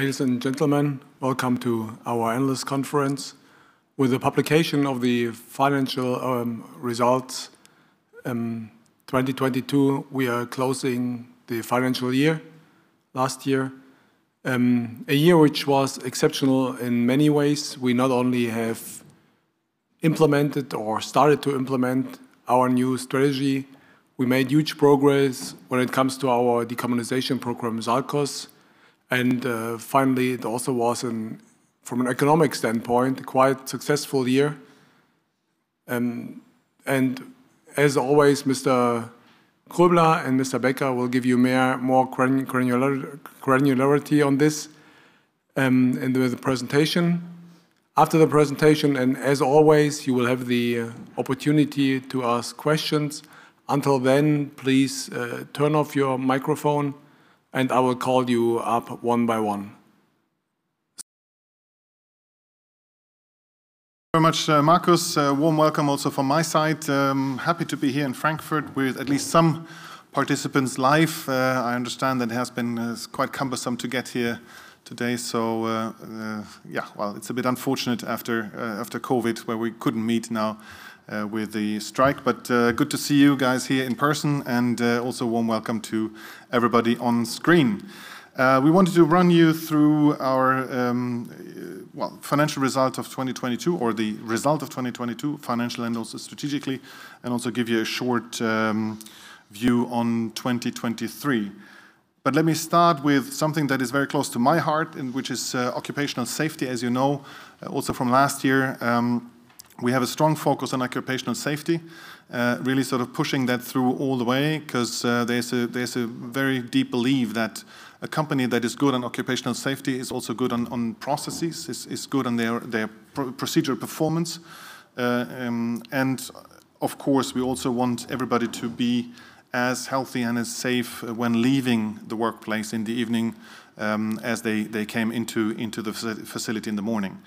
Ladies and gentlemen, welcome to our analyst conference. With the publication of the financial results 2022, we are closing the financial year last year. A year which was exceptional in many ways. We not only have implemented or started to implement our new strategy, we made huge progress when it comes to our decarbonization program, SALCOS. Finally, it also was, from an economic standpoint, quite successful year. As always, Mr. Groebler and Mr. Becker will give you more granularity on this with the presentation. After the presentation, as always, you will have the opportunity to ask questions. Until then, please turn off your microphone, and I will call you up one by one. Very much, Markus. Warm welcome also from my side. Happy to be here in Frankfurt with at least some participants live. I understand that it has been quite cumbersome to get here today. Yeah. Well, it’s a bit unfortunate after COVID, where we couldn’t meet now with the strike. Good to see you guys here in person and also warm welcome to everybody on screen. We wanted to run you through our, well, financial result of 2022 or the result of 2022, financial and also strategically, and also give you a short view on 2023. Let me start with something that is very close to my heart and which is occupational safety. As you know, also from last year, we have a strong focus on occupational safety, really sort of pushing that through all the way 'cause there's a very deep belief that a company that is good on occupational safety is also good on processes, is good on their procedure performance. And of course, we also want everybody to be as healthy and as safe when leaving the workplace in the evening, as they came into the facility in the morning.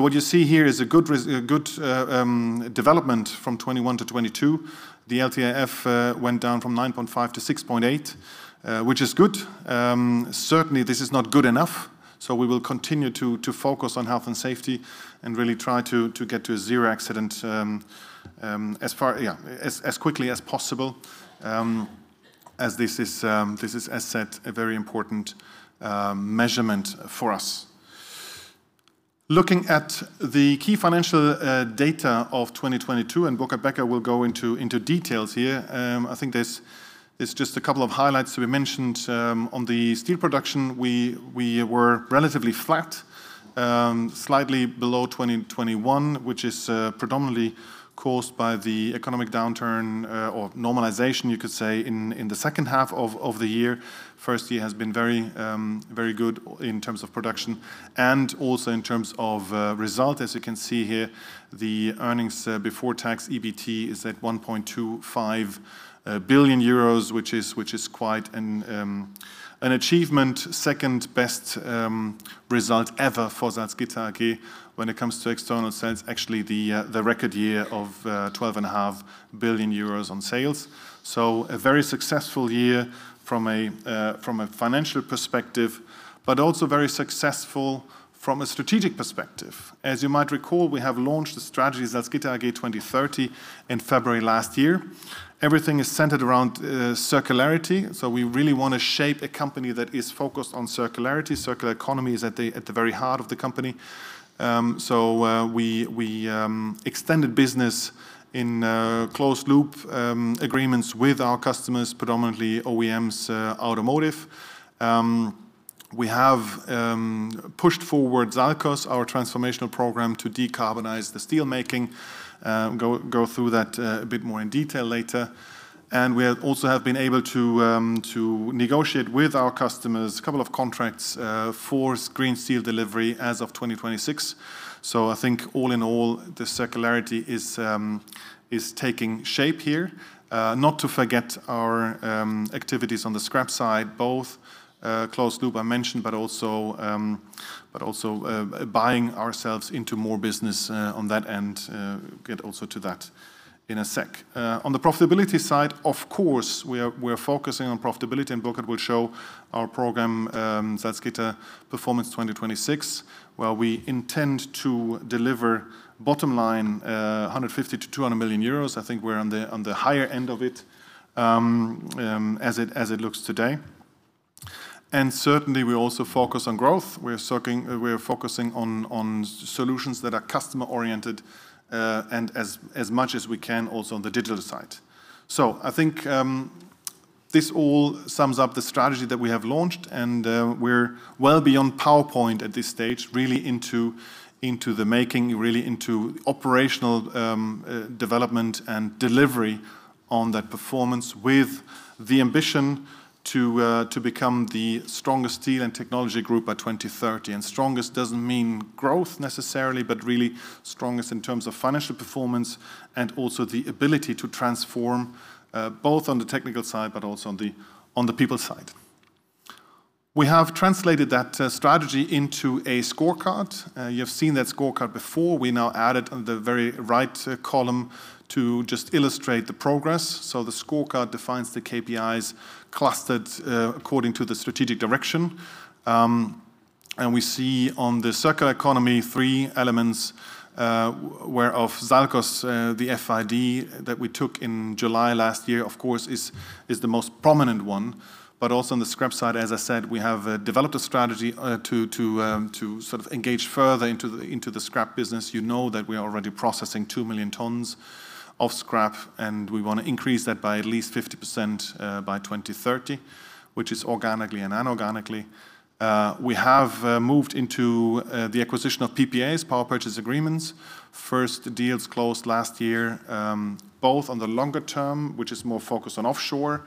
What you see here is a good a good development from 21-22. The LTIF went down from 9.5-6.8, which is good. Certainly this is not good enough, we will continue to focus on health and safety and really try to get to a zero accident as quickly as possible, as this is, as said, a very important measurement for us. Looking at the key financial data of 2022, Burkhard Becker will go into details here. I think there's just a couple of highlights to be mentioned. On the steel production, we were relatively flat, slightly below 2021, which is predominantly caused by the economic downturn or normalization, you could say, in the second half of the year. First year has been very good in terms of production and also in terms of result. As you can see here, the earnings before tax, EBT, is at 1.25 billion euros, which is quite an achievement. Second best result ever for Salzgitter AG when it comes to external sales. The record year of 12.5 billion euros on sales. A very successful year from a financial perspective, but also very successful from a strategic perspective. As you might recall, we have launched the strategy Salzgitter AG 2030 in February last year. Everything is centered around circularity, we really wanna shape a company that is focused on circularity. Circular economy is at the very heart of the company. We extended business in closed loop agreements with our customers, predominantly OEMs, automotive. We have pushed forward SALCOS, our transformational program to decarbonize the steelmaking. Go through that a bit more in detail later. We also have been able to negotiate with our customers a couple of contracts for green steel delivery as of 2026. I think all in all, the circularity is taking shape here. Not to forget our activities on the scrap side, both closed loop I mentioned, but also buying ourselves into more business on that end. Get also to that in a sec. On the profitability side, of course, we are focusing on profitability, and Burkhard will show our program, Salzgitter Performance 2026, where we intend to deliver bottom line 150 million-200 million euros. I think we're on the higher end of it, as it looks today. Certainly, we also focus on growth. We are focusing on solutions that are customer-oriented, and as much as we can also on the digital side. I think, this all sums up the strategy that we have launched, we're well beyond PowerPoint at this stage, really into the making, really into operational development and delivery on that performance with the ambition to become the strongest steel and technology group by 2030. Strongest doesn't mean growth necessarily, but really strongest in terms of financial performance and also the ability to transform, both on the technical side, but also on the people side. We have translated that strategy into a scorecard. You have seen that scorecard before. We now added the very right column to just illustrate the progress. The scorecard defines the KPIs clustered according to the strategic direction. And we see on the circular economy three elements, where of SALCOS, the FID that we took in July last year, of course, is the most prominent one. Also on the scrap side, as I said, we have developed a strategy to sort of engage further into the scrap business. You know that we are already processing 2 million tons of scrap, and we wanna increase that by at least 50%, by 2030, which is organically and inorganically. We have moved into the acquisition of PPAs, Power Purchase Agreements. First deals closed last year, both on the longer term, which is more focused on offshore,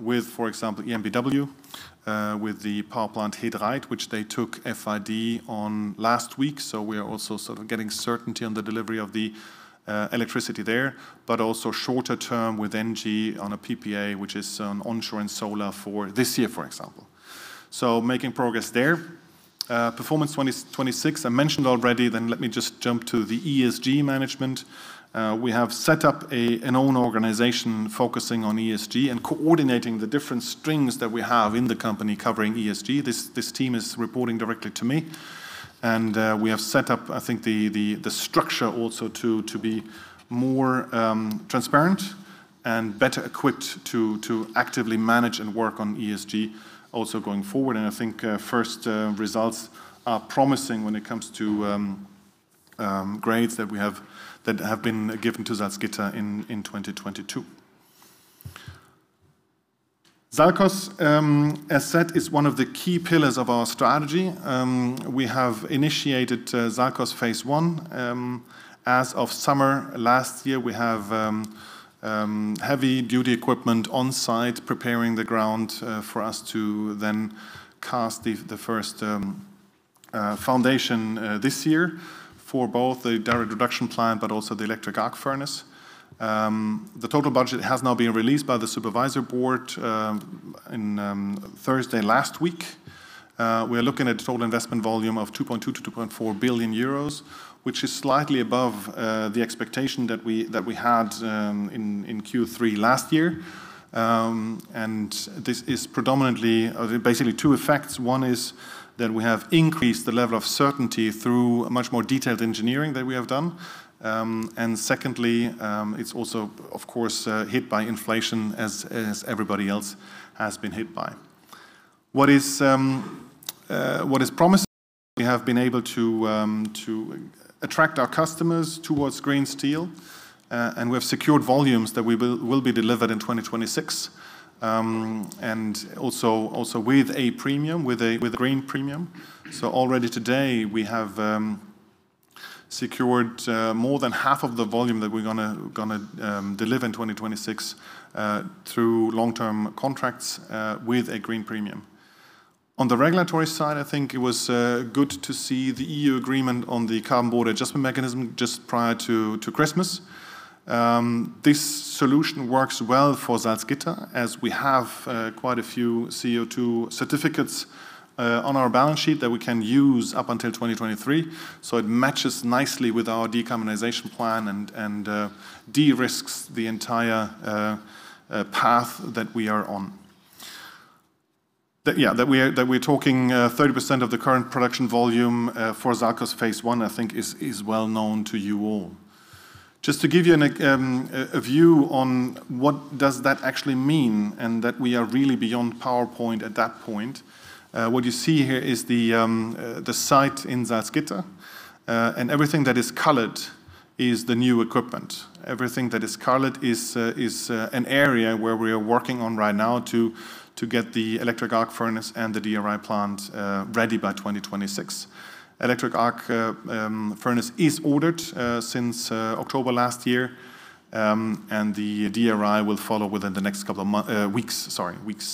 with, for example, EnBW, with the power plant He Dreiht, which they took FID on last week. We are also sort of getting certainty on the delivery of the electricity there, but also shorter term with ENGIE on a PPA, which is on onshore and solar for this year, for example. Making progress there. Performance 2026 I mentioned already. Let me just jump to the ESG management. We have set up an own organization focusing on ESG and coordinating the different strings that we have in the company covering ESG. This team is reporting directly to me. We have set up the structure also to be more transparent and better equipped to actively manage and work on ESG also going forward. First results are promising when it comes to grades that have been given to Salzgitter in 2022. SALCOS, as said, is one of the key pillars of our strategy. We have initiated SALCOS Phase 1. As of summer last year, we have heavy-duty equipment on-site preparing the ground for us to then cast the first foundation this year for both the direct reduction plant but also the electric arc furnace. The total budget has now been released by the Supervisory Board in Thursday last week. We're looking at total investment volume of 2.2 billion-2.4 billion euros, which is slightly above the expectation that we had in Q3 last year. This is predominantly basically two effects. One is that we have increased the level of certainty through much more detailed engineering that we have done. Secondly, it's also of course hit by inflation as everybody else has been hit by. What is promising is that we have been able to attract our customers towards green steel, and we have secured volumes that we will be delivered in 2026, and also with a premium, with a green premium. Already today we have secured more than half of the volume that we're gonna deliver in 2026 through long-term contracts with a green premium. On the regulatory side, I think it was good to see the E.U. agreement on the carbon border adjustment mechanism just prior to Christmas. This solution works well for Salzgitter as we have quite a few CO2 certificates on our balance sheet that we can use up until 2023. It matches nicely with our decarbonization plan and de-risks the entire path that we are on. That we're talking 30% of the current production volume for SALCOS phase one I think is well known to you all. Just to give you an a view on what does that actually mean and that we are really beyond PowerPoint at that point, what you see here is the site in Salzgitter, and everything that is colored is the new equipment. Everything that is colored is an area where we are working on right now to get the electric arc furnace and the DRI plant ready by 2026. Electric arc furnace is ordered since October last year, and the DRI will follow within the next couple of weeks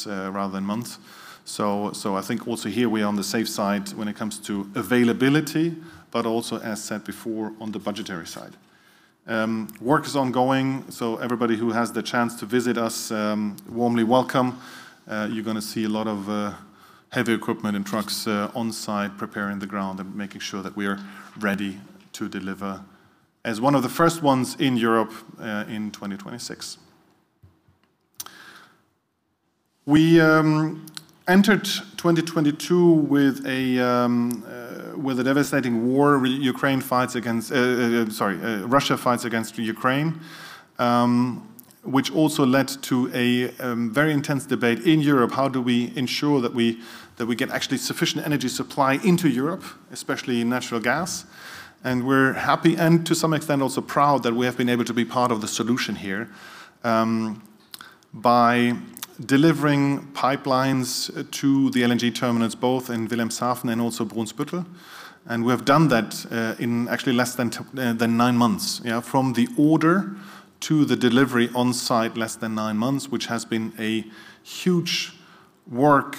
rather than months. I think also here we are on the safe side when it comes to availability, but also, as said before, on the budgetary side. Work is ongoing, so everybody who has the chance to visit us, warmly welcome. You're gonna see a lot of heavy equipment and trucks on-site preparing the ground and making sure that we are ready to deliver as one of the first ones in Europe in 2026. We entered 2022 with a devastating war. Russia fights against Ukraine, which also led to a very intense debate in Europe. How do we ensure that we get actually sufficient energy supply into Europe, especially natural gas? We're happy and to some extent also proud that we have been able to be part of the solution here by delivering pipelines to the LNG terminals both in Wilhelmshaven and also Brunsbüttel. We have done that, in actually less than 9 months. Yeah, from the order to the delivery on-site, less than 9 months, which has been a huge work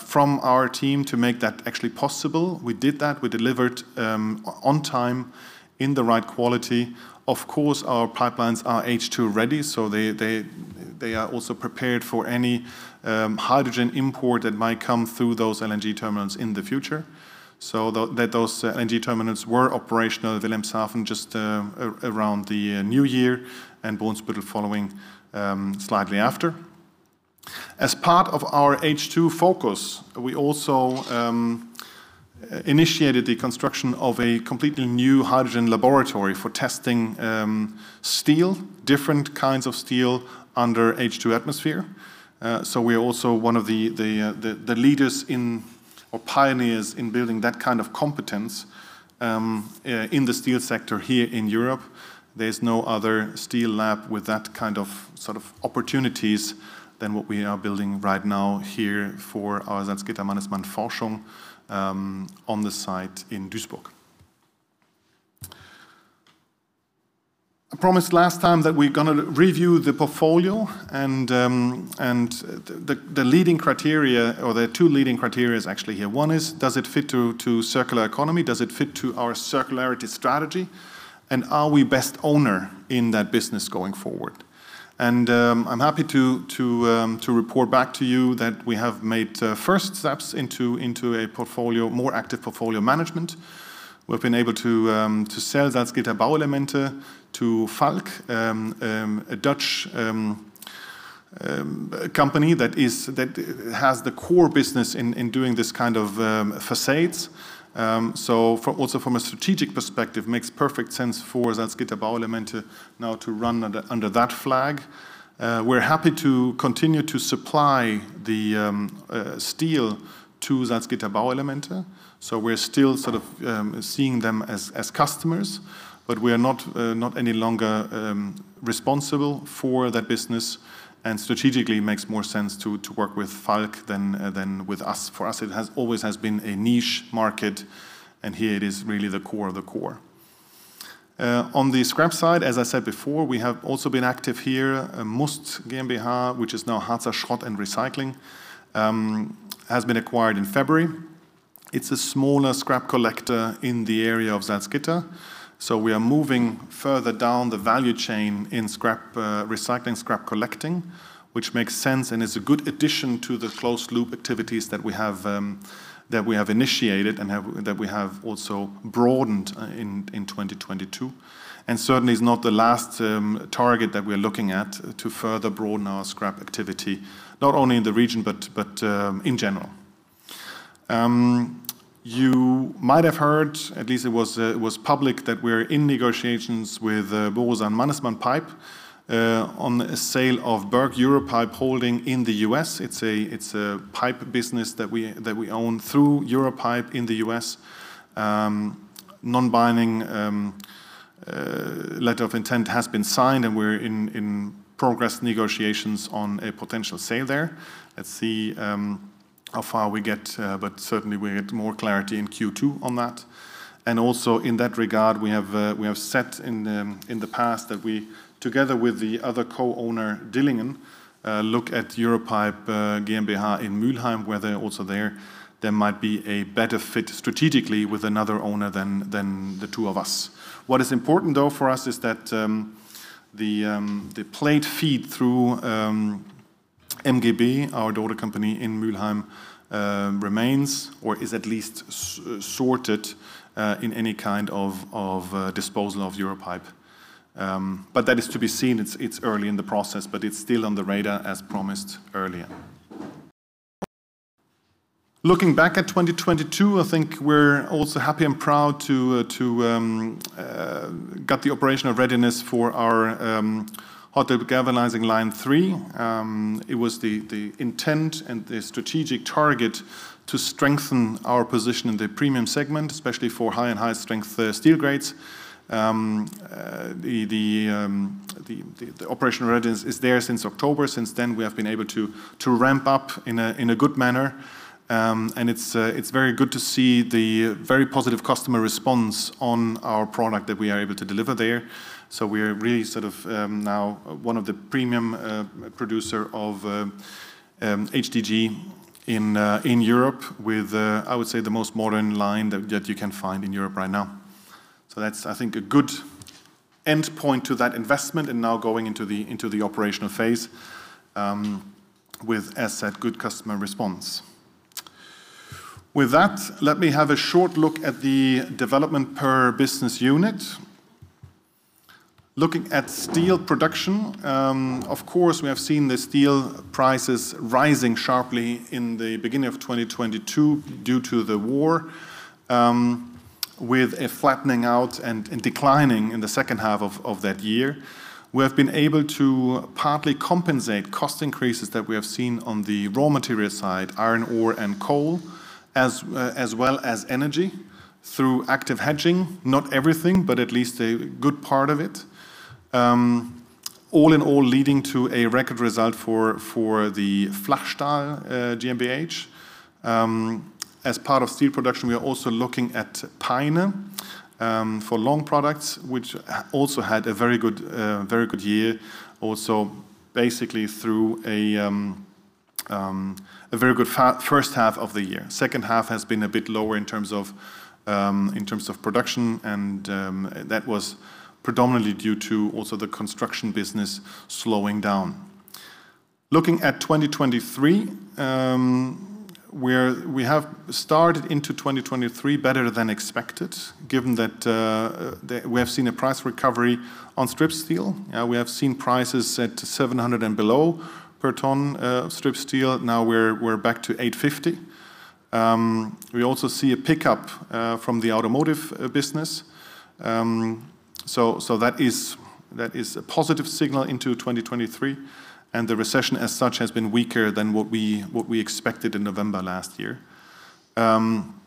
from our team to make that actually possible. We did that. We delivered on time, in the right quality. Of course, our pipelines are H2 ready, so they are also prepared for any hydrogen import that might come through those LNG terminals in the future. Those LNG terminals were operational at Wilhelmshaven just around the new year and Brunsbüttel following slightly after. As part of our H2 focus, we also initiated the construction of a completely new hydrogen laboratory for testing steel, different kinds of steel under H2 atmosphere. We are also one of the leaders in, or pioneers in building that kind of competence in the steel sector here in Europe. There's no other steel lab with that kind of sort of opportunities than what we are building right now here for our Salzgitter Mannesmann Forschung on the site in Duisburg. I promised last time that we're gonna review the portfolio and the leading criteria or the two leading criterias actually here. One is, does it fit to circular economy? Does it fit to our circularity strategy? Are we best owner in that business going forward? I'm happy to report back to you that we have made first steps into a portfolio, more active portfolio management. We've been able to sell Salzgitter Bauelemente to FALK, a Dutch company that has the core business in doing this kind of facades. Also from a strategic perspective, makes perfect sense for Salzgitter Bauelemente now to run under that flag. We're happy to continue to supply the steel to Salzgitter Bauelemente. We're still sort of seeing them as customers, but we are not any longer responsible for that business and strategically makes more sense to work with FALK than with us. For us, it has always been a niche market. Here it is really the core of the core. On the scrap side, as I said before, we have also been active here. MUST GmbH, which is now Hanse Schrott & Recycling, has been acquired in February. It's a smaller scrap collector in the area of Salzgitter. We are moving further down the value chain in scrap, recycling, scrap collecting, which makes sense and is a good addition to the closed loop activities that we have initiated and that we have also broadened in 2022. Certainly is not the last target that we're looking at to further broaden our scrap activity, not only in the region but in general. You might have heard, at least it was public, that we're in negotiations with Borusan Mannesmann Pipe on a sale of Berg EUROPIPE Holding Corp in the U.S.. It's a pipe business that we own through EUROPIPE in the U.S.. Non-binding letter of intent has been signed, and we're in progress negotiations on a potential sale there. Let's see how far we get, but certainly we get more clarity in Q2 on that. Also in that regard, we have set in the past that we, together with the other co-owner, Dillinger, look at EUROPIPE GmbH in Mülheim, where there might be a better fit strategically with another owner than the two of us. What is important though for us is that the plate feed through SMGB, our daughter company in Mülheim, remains or is at least sorted in any kind of disposal of EUROPIPE. That is to be seen. It's early in the process, but it's still on the radar as promised earlier. Looking back at 2022, I think we're also happy and proud to got the operational readiness for our hot dip galvanizing line no. 3. It was the intent and the strategic target to strengthen our position in the premium segment, especially for high and high strength steel grades. The operational readiness is there since October. Since then, we have been able to ramp up in a good manner. And it's very good to see the very positive customer response on our product that we are able to deliver there. We are really sort of now one of the premium producer of HDG in Europe with I would say the most modern line that you can find in Europe right now. That's, I think, a good endpoint to that investment and now going into the operational phase with, as said, good customer response. With that, let me have a short look at the development per business unit. Looking at steel production, of course, we have seen the steel prices rising sharply in the beginning of 2022 due to the war with a flattening out and declining in the second half of that year. We have been able to partly compensate cost increases that we have seen on the raw material side, iron ore and coal, as well as energy through active hedging, not everything, but at least a good part of it. All in all leading to a record result for the Flachstahl GmbH. As part of steel production, we are also looking at Peine for long products, which also had a very good year also basically through a very good first half of the year. Second half has been a bit lower in terms of production, and that was predominantly due to also the construction business slowing down. Looking at 2023, we have started into 2023 better than expected given that we have seen a price recovery on strip steel. We have seen prices at 700 and below per ton, strip steel. Now we're back to 850. We also see a pickup from the automotive business. So that is a positive signal into 2023, and the recession as such has been weaker than what we expected in November last year. However,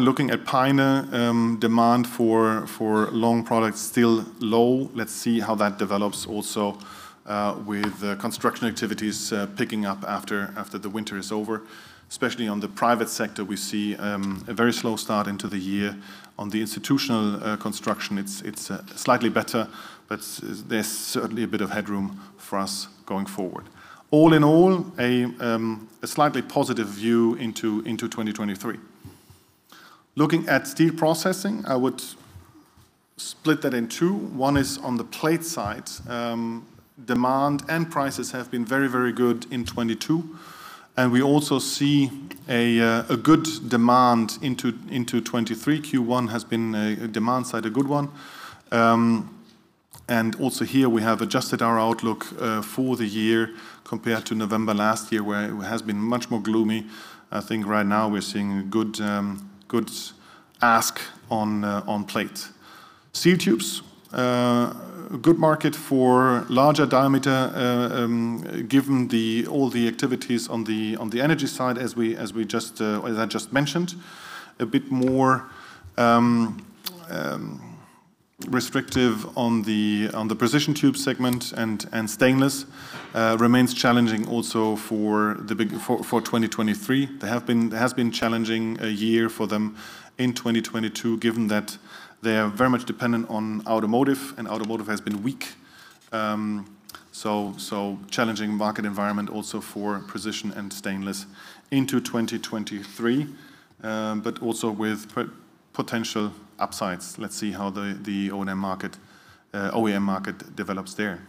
looking at Peine, demand for long products still low. Let's see how that develops also with construction activities picking up after the winter is over. Especially on the private sector, we see a very slow start into the year. On the institutional construction, it's slightly better, but there's certainly a bit of headroom for us going forward. All in all, a slightly positive view into 2023. Looking at steel processing, I would split that in two. One is on the plate side. Demand and prices have been good in 2022, and we also see a good demand into 2023. Q1 has been a demand side, a good one. Also here we have adjusted our outlook for the year compared to November last year, where it has been much more gloomy. I think right now we're seeing good good ask on on plate. Steel tubes, good market for larger diameter, given all the activities on the energy side as I just mentioned. A bit more restrictive on the precision tube segment, and stainless remains challenging also for 2023. It has been challenging year for them in 2022 given that they are very much dependent on automotive, and automotive has been weak. Challenging market environment also for precision and stainless into 2023, but also with potential upsides. Let's see how the OEM market develops there.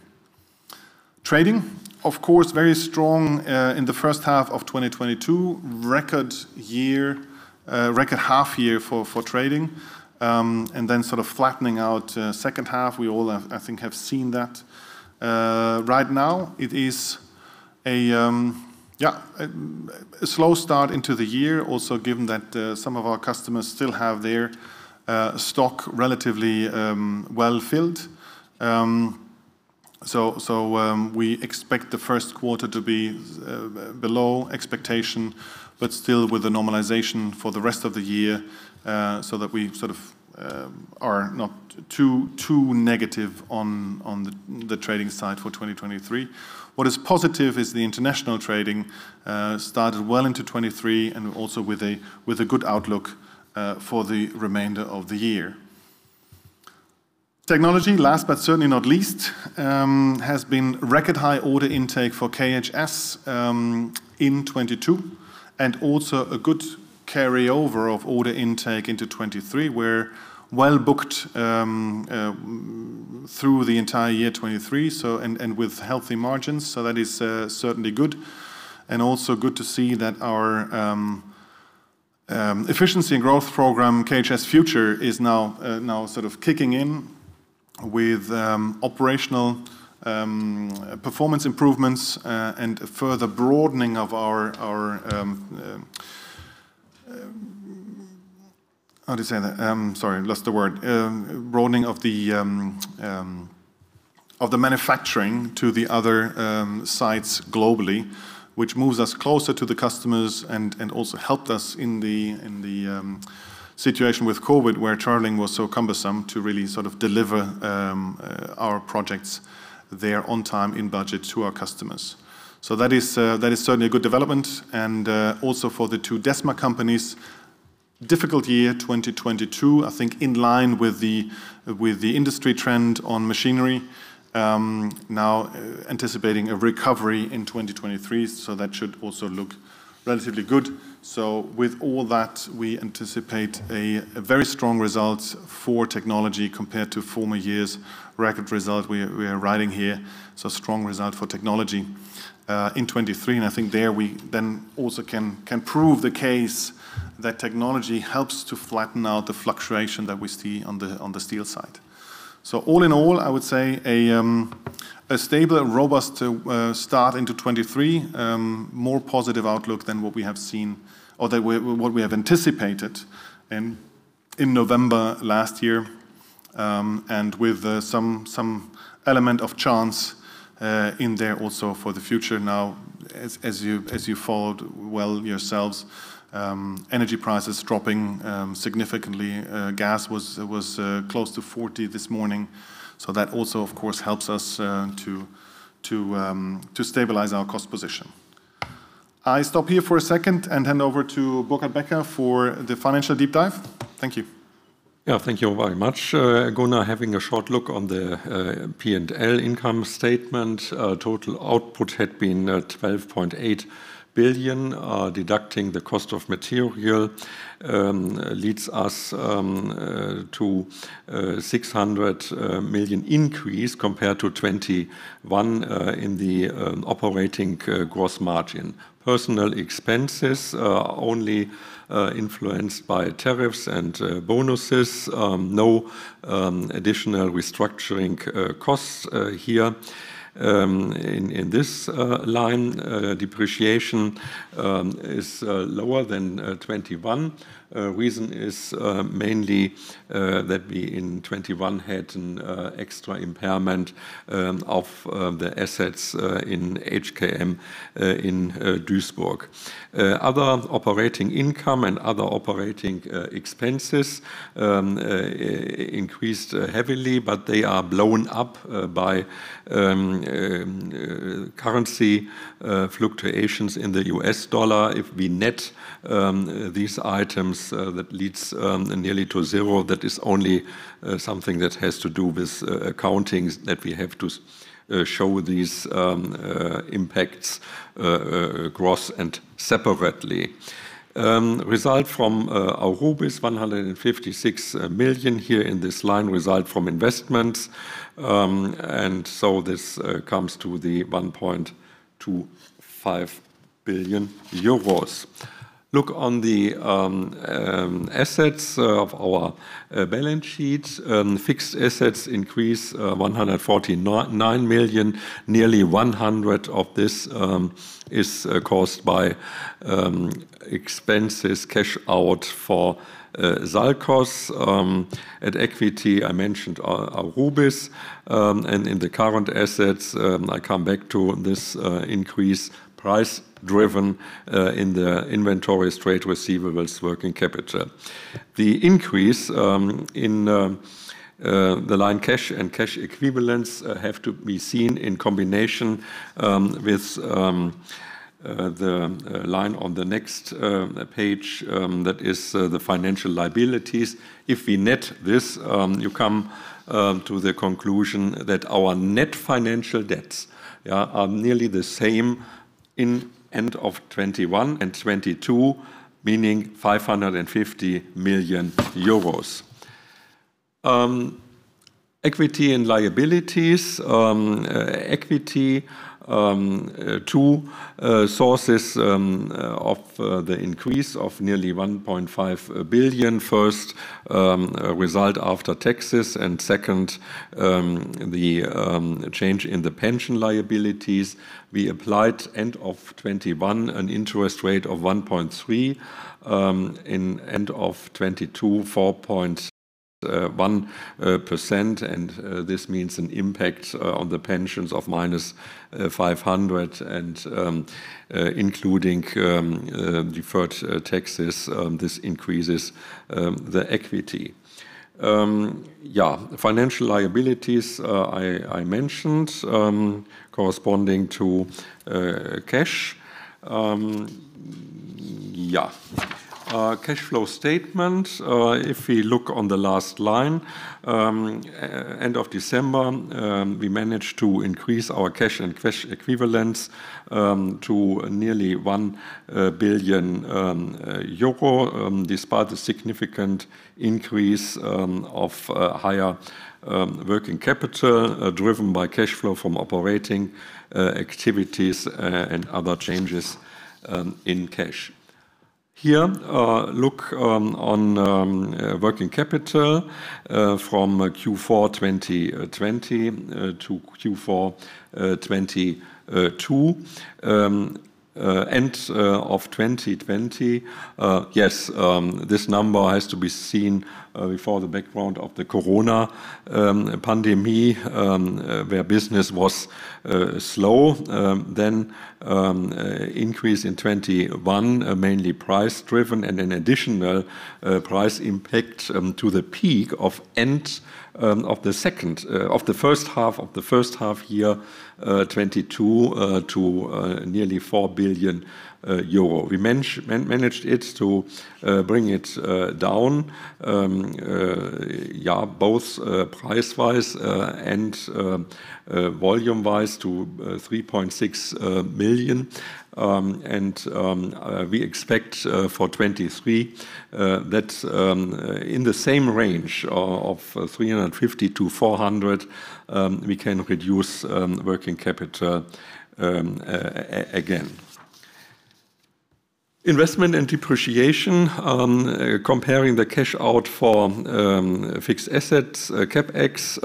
Trading, of course, very strong in the first half of 2022. Record year, record half year for trading, and then sort of flattening out second half. We all have, I think, seen that. Right now it is a slow start into the year also given that some of our customers still have their stock relatively well-filled. We expect the Q1 to be below expectation, but still with the normalization for the rest of the year, so that we sort of are not too negative on the trading side for 2023. What is positive is the international trading started well into 2023 and also with a good outlook for the remainder of the year. Technology, last but certainly not least, has been record high order intake for KHS in 2022, and also a good carryover of order intake into 2023. We're well-booked through the entire year 2023, so and with healthy margins, so that is certainly good. Also good to see that our efficiency and growth program, KHS Future, is now sort of kicking in with operational performance improvements and further broadening of the manufacturing to the other sites globally, which moves us closer to the customers and also helped us in the situation with COVID, where traveling was so cumbersome to really sort of deliver our projects there on time, in budget to our customers. That is certainly a good development. Also for the two DESMA companies, difficult year, 2022. I think in line with the industry trend on machinery. Now anticipating a recovery in 2023, that should also look relatively good. With all that, we anticipate a very strong result for technology compared to former years' record result we are writing here, strong result for technology in 2023. I think there we then also can prove the case that technology helps to flatten out the fluctuation that we see on the steel side. All in all, I would say a stable, robust start into 2023. More positive outlook than what we have seen or what we have anticipated in November last year, and with some element of chance in there also for the future now. As you followed well yourselves, energy prices dropping significantly. Gas was close to 40 this morning, that also of course helps us to stabilize our cost position. I stop here for a second and hand over to Burkhard Becker for the financial deep dive. Thank you. Thank you very much, Gunnar. Having a short look on the P&L income statement, total output had been at 12.8 billion. Deducting the cost of material leads us to a 600 million increase compared to 2021 in the operating gross margin. Personnel expenses are only influenced by tariffs and bonuses. No additional restructuring costs here. In this line, depreciation is lower than 2021. Reason is mainly that we in 2021 had an extra impairment of the assets in HKM in Duisburg. Other operating income and other operating expenses increased heavily, but they are blown up by currency fluctuations in the US dollar. If we net these items, that leads nearly to zero. That is only something that has to do with accounting that we have to show these impacts gross and separately. Result from Aurubis, 156 million here in this line result from investments. This comes to the 1.25 billion euros. Look on the assets of our balance sheets. Fixed assets increase 149 million. Nearly 100 of this is caused by expenses, cash out for SALCOS. At equity, I mentioned Aurubis. In the current assets, I come back to this increase price-driven in the inventory, straight receivables, working capital. The increase in the line cash and cash equivalents have to be seen in combination with the line on the next page that is the financial liabilities. If we net this, you come to the conclusion that our net financial debts, yeah, are nearly the same in end of 2021 and 2022, meaning 550 million euros. Equity and liabilities. Equity, two sources of the increase of nearly 1.5 billion. First, result after taxes, and second, the change in the pension liabilities. We applied end of 2021 an interest rate of 1.3% in end of 2022, 4.1%. This means an impact on the pensions of minus 500 including deferred taxes. This increases the equity. Financial liabilities I mentioned corresponding to cash. Cash flow statement. If we look on the last line, end of December, we managed to increase our cash and cash equivalents to nearly 1 billion euro despite the significant increase of higher working capital driven by cash flow from operating activities and other changes in cash. Here, look on working capital from Q4 2020 to Q4 2022. End of 2020, yes, this number has to be seen before the background of the corona pandemic, where business was slow. Increase in 2021, mainly price-driven and an additional price impact to the peak of end of the second of the first half, of the first half year, 2022, to nearly 4 billion euro. We managed it to bring it down, yeah, both price-wise and volume-wise to 3.6 million. We expect for 2023 that in the same range of 350-400, we can reduce working capital again. Investment and depreciation, comparing the cash out for fixed assets, CapEx,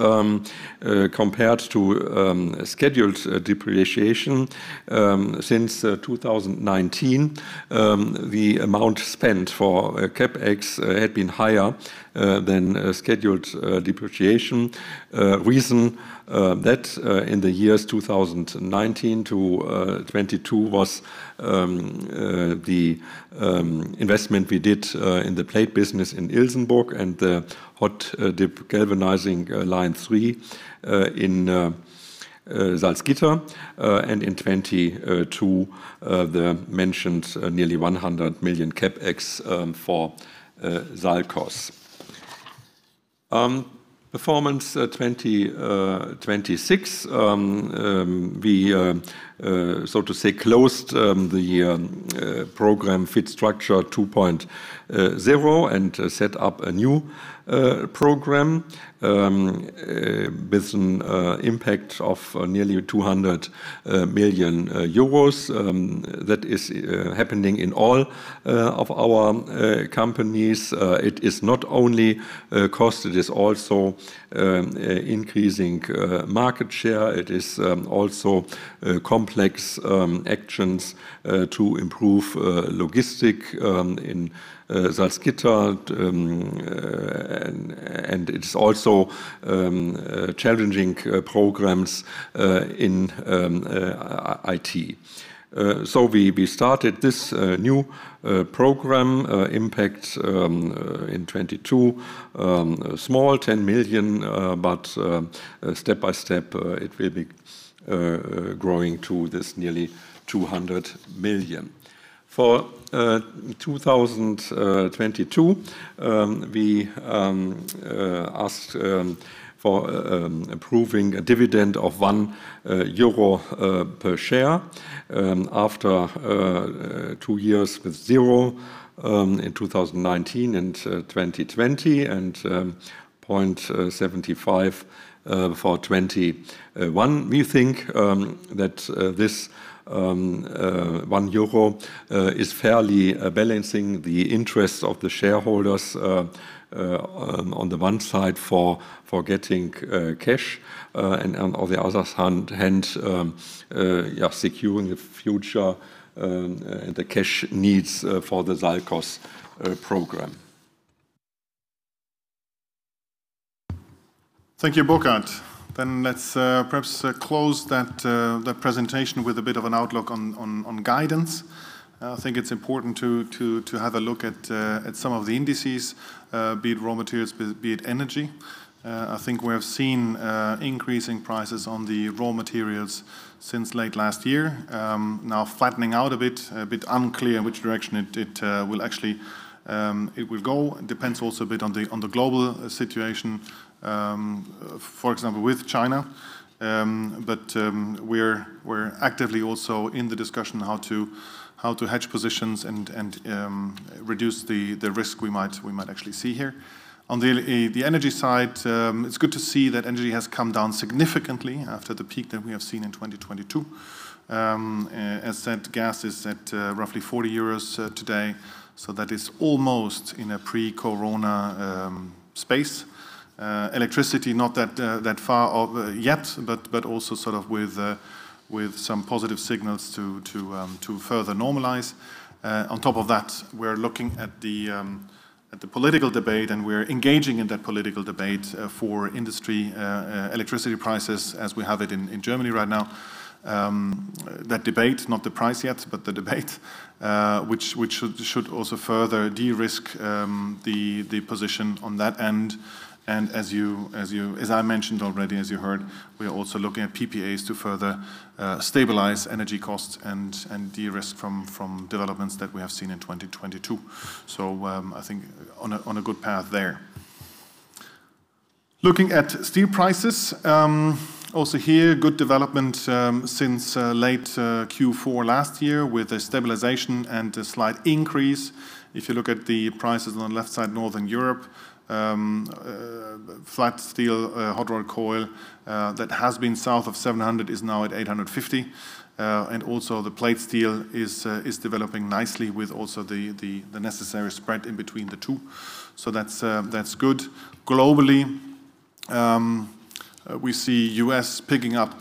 compared to scheduled depreciation, since 2019, the amount spent for CapEx had been higher than scheduled depreciation. Reason that in the years 2019 to 2022 was the investment we did in the plate business in Ilsenburg and the hot dip galvanizing line no. 3 in Salzgitter, and in 2020 to the mentioned nearly 100 million CapEx for Salzgitter. Performance 2026, we so to say closed the program FitStructure 2.0 and set up a new program with an impact of nearly 200 million euros, that is happening in all of our companies. It is not only cost, it is also increasing market share. It is also complex actions to improve logistic in Salzgitter. It's also challenging programs in IT. We started this new program impact in 2022, small, 10 million, but step by step, it will be growing to this nearly 200 million. We asked for approving a dividend of EUR 1 per share after 2 years with zero in 2019 and 2020, and EUR 0.75 for 2021. We think that this 1 euro is fairly balancing the interests of the shareholders on the one side for getting cash and on the other hand, yeah, securing the future, the cash needs for the Salzgitter program. Thank you, Burkhard. Let's perhaps close that presentation with a bit of an outlook on guidance. I think it's important to have a look at some of the indices, be it raw materials, be it energy. I think we have seen increasing prices on the raw materials since late last year, now flattening out a bit unclear which direction it will actually go. Depends also a bit on the global situation, for example, with China. We're actively also in the discussion how to hedge positions and reduce the risk we might actually see here. On the energy side, it's good to see that energy has come down significantly after the peak that we have seen in 2022. As said, gas is at roughly 40 euros today, that is almost in a pre-corona space. Electricity not that far off yet, but also sort of with some positive signals to further normalize. On top of that, we're looking at the political debate, we're engaging in that political debate for industry electricity prices as we have it in Germany right now. That debate, not the price yet, but the debate, which should also further de-risk the position on that end. As I mentioned already, as you heard, we are also looking at PPAs to further stabilize energy costs and de-risk from developments that we have seen in 2022. I think on a good path there. Looking at steel prices, also here, good development since late Q4 last year with a stabilization and a slight increase. If you look at the prices on the left side, Northern Europe, flat steel, hot rolled coil, that has been south of 700 is now at 850. And also the plate steel is developing nicely with also the necessary spread in between the two. That's good. Globally, we see U.S. picking up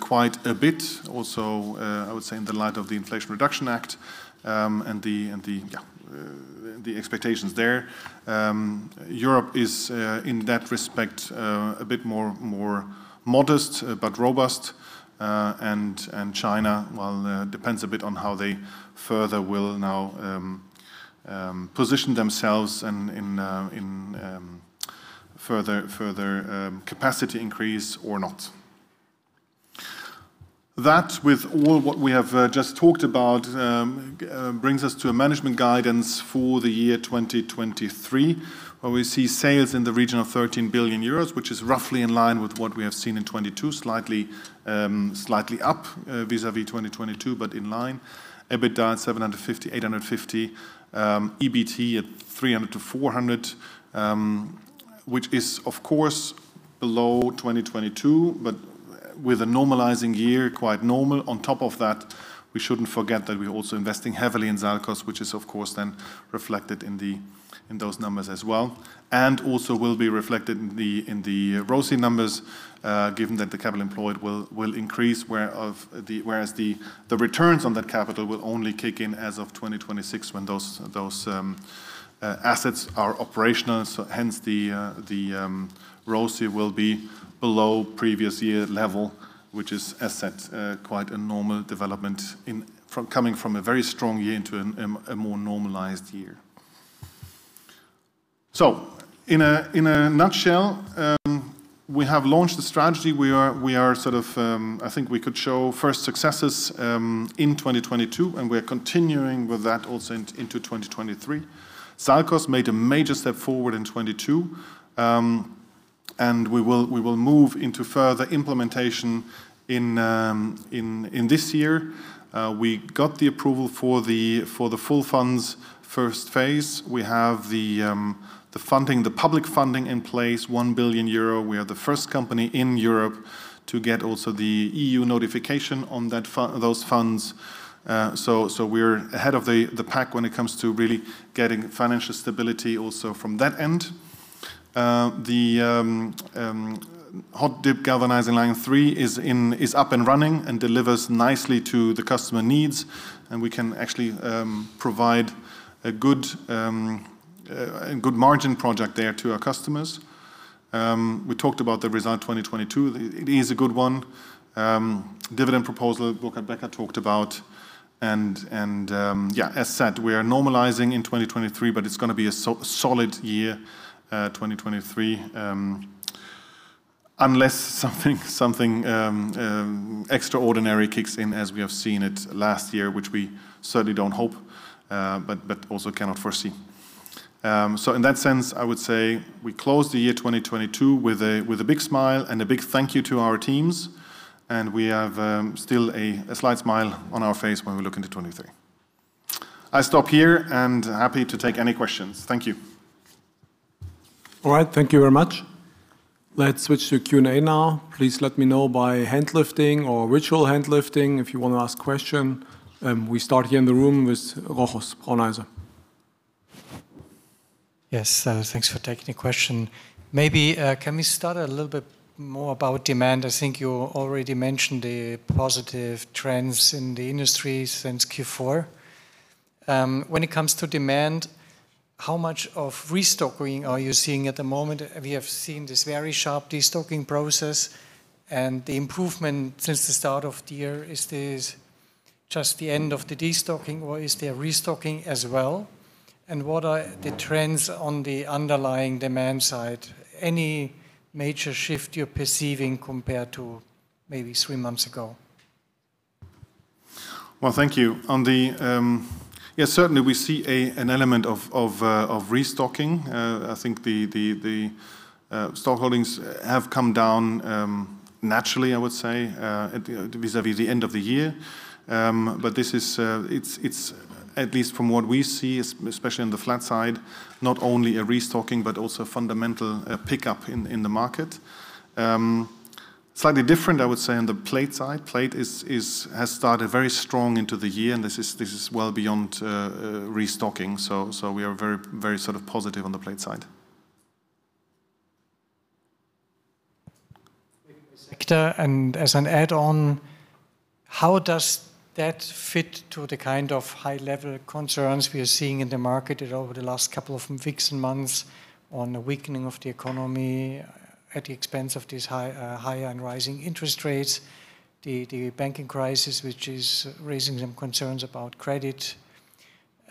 quite a bit also, I would say in the light of the Inflation Reduction Act, and the expectations there. Europe is in that respect a bit more modest but robust. China, well, depends a bit on how they further will now position themselves and in further capacity increase or not. That with all what we have just talked about brings us to a management guidance for the year 2023, where we see sales in the region of 13 billion euros, which is roughly in line with what we have seen in 2022, slightly up vis-à-vis 2022, but in line. EBITDA at 750 million-850 million. EBT at 300-400, which is of course below 2022, but with a normalizing year, quite normal. We shouldn't forget that we're also investing heavily in Salzgitter, which is of course then reflected in those numbers as well. Also will be reflected in the ROSI numbers, given that the capital employed will increase whereas the returns on that capital will only kick in as of 2026 when those assets are operational. Hence the ROSI will be below previous year level, which is as said, quite a normal development in, from coming from a very strong year into a more normalized year. In a nutshell, we have launched the strategy. We are sort of, I think we could show first successes in 2022. We're continuing with that also into 2023. SALCOS made a major step forward in 2022. We will move into further implementation in this year. We got the approval for the full funds first phase. We have the funding, the public funding in place, 1 billion euro. We are the first company in Europe to get also the EU notification on those funds. We're ahead of the pack when it comes to really getting financial stability also from that end. The hot dip galvanizing line three is up and running and delivers nicely to the customer needs. We can actually provide a good, a good margin project there to our customers. We talked about the result 2022. It is a good one. Dividend proposal Burkhard Becker talked about and, yeah, as said, we are normalizing in 2023. It's gonna be a so-solid year, 2023, unless something extraordinary kicks in as we have seen it last year, which we certainly don't hope, but also cannot foresee. In that sense, I would say we closed the year 2022 with a big smile and a big thank you to our teams. We have still a slight smile on our face when we look into 2023. I stop here. Happy to take any questions. Thank you. All right. Thank you very much. Let's switch to Q&A now. Please let me know by hand lifting or ritual hand lifting if you wanna ask question. We start here in the room with Rochus Brauneiser. Yes. thanks for taking the question. Maybe can we start a little bit more about demand? I think you already mentioned the positive trends in the industry since Q4. When it comes to demand, how much of restocking are you seeing at the moment? We have seen this very sharp destocking process and the improvement since the start of the year. Is this just the end of the destocking, or is there restocking as well? What are the trends on the underlying demand side? Any major shift you're perceiving compared to maybe 3 months ago? Well, thank you. Certainly we see an element of restocking. I think the stock holdings have come down naturally, I would say, vis-à-vis the end of the year. It's at least from what we see, especially on the flat side, not only a restocking, but also a fundamental pickup in the market. Slightly different I would say on the plate side. Plate has started very strong into the year, this is well beyond restocking. We are very sort of positive on the plate side. Thank you, Viktor. As an add on, how does that fit to the kind of high-level concerns we are seeing in the market over the last couple of weeks and months on the weakening of the economy at the expense of these high, higher and rising interest rates, the banking crisis, which is raising some concerns about credit?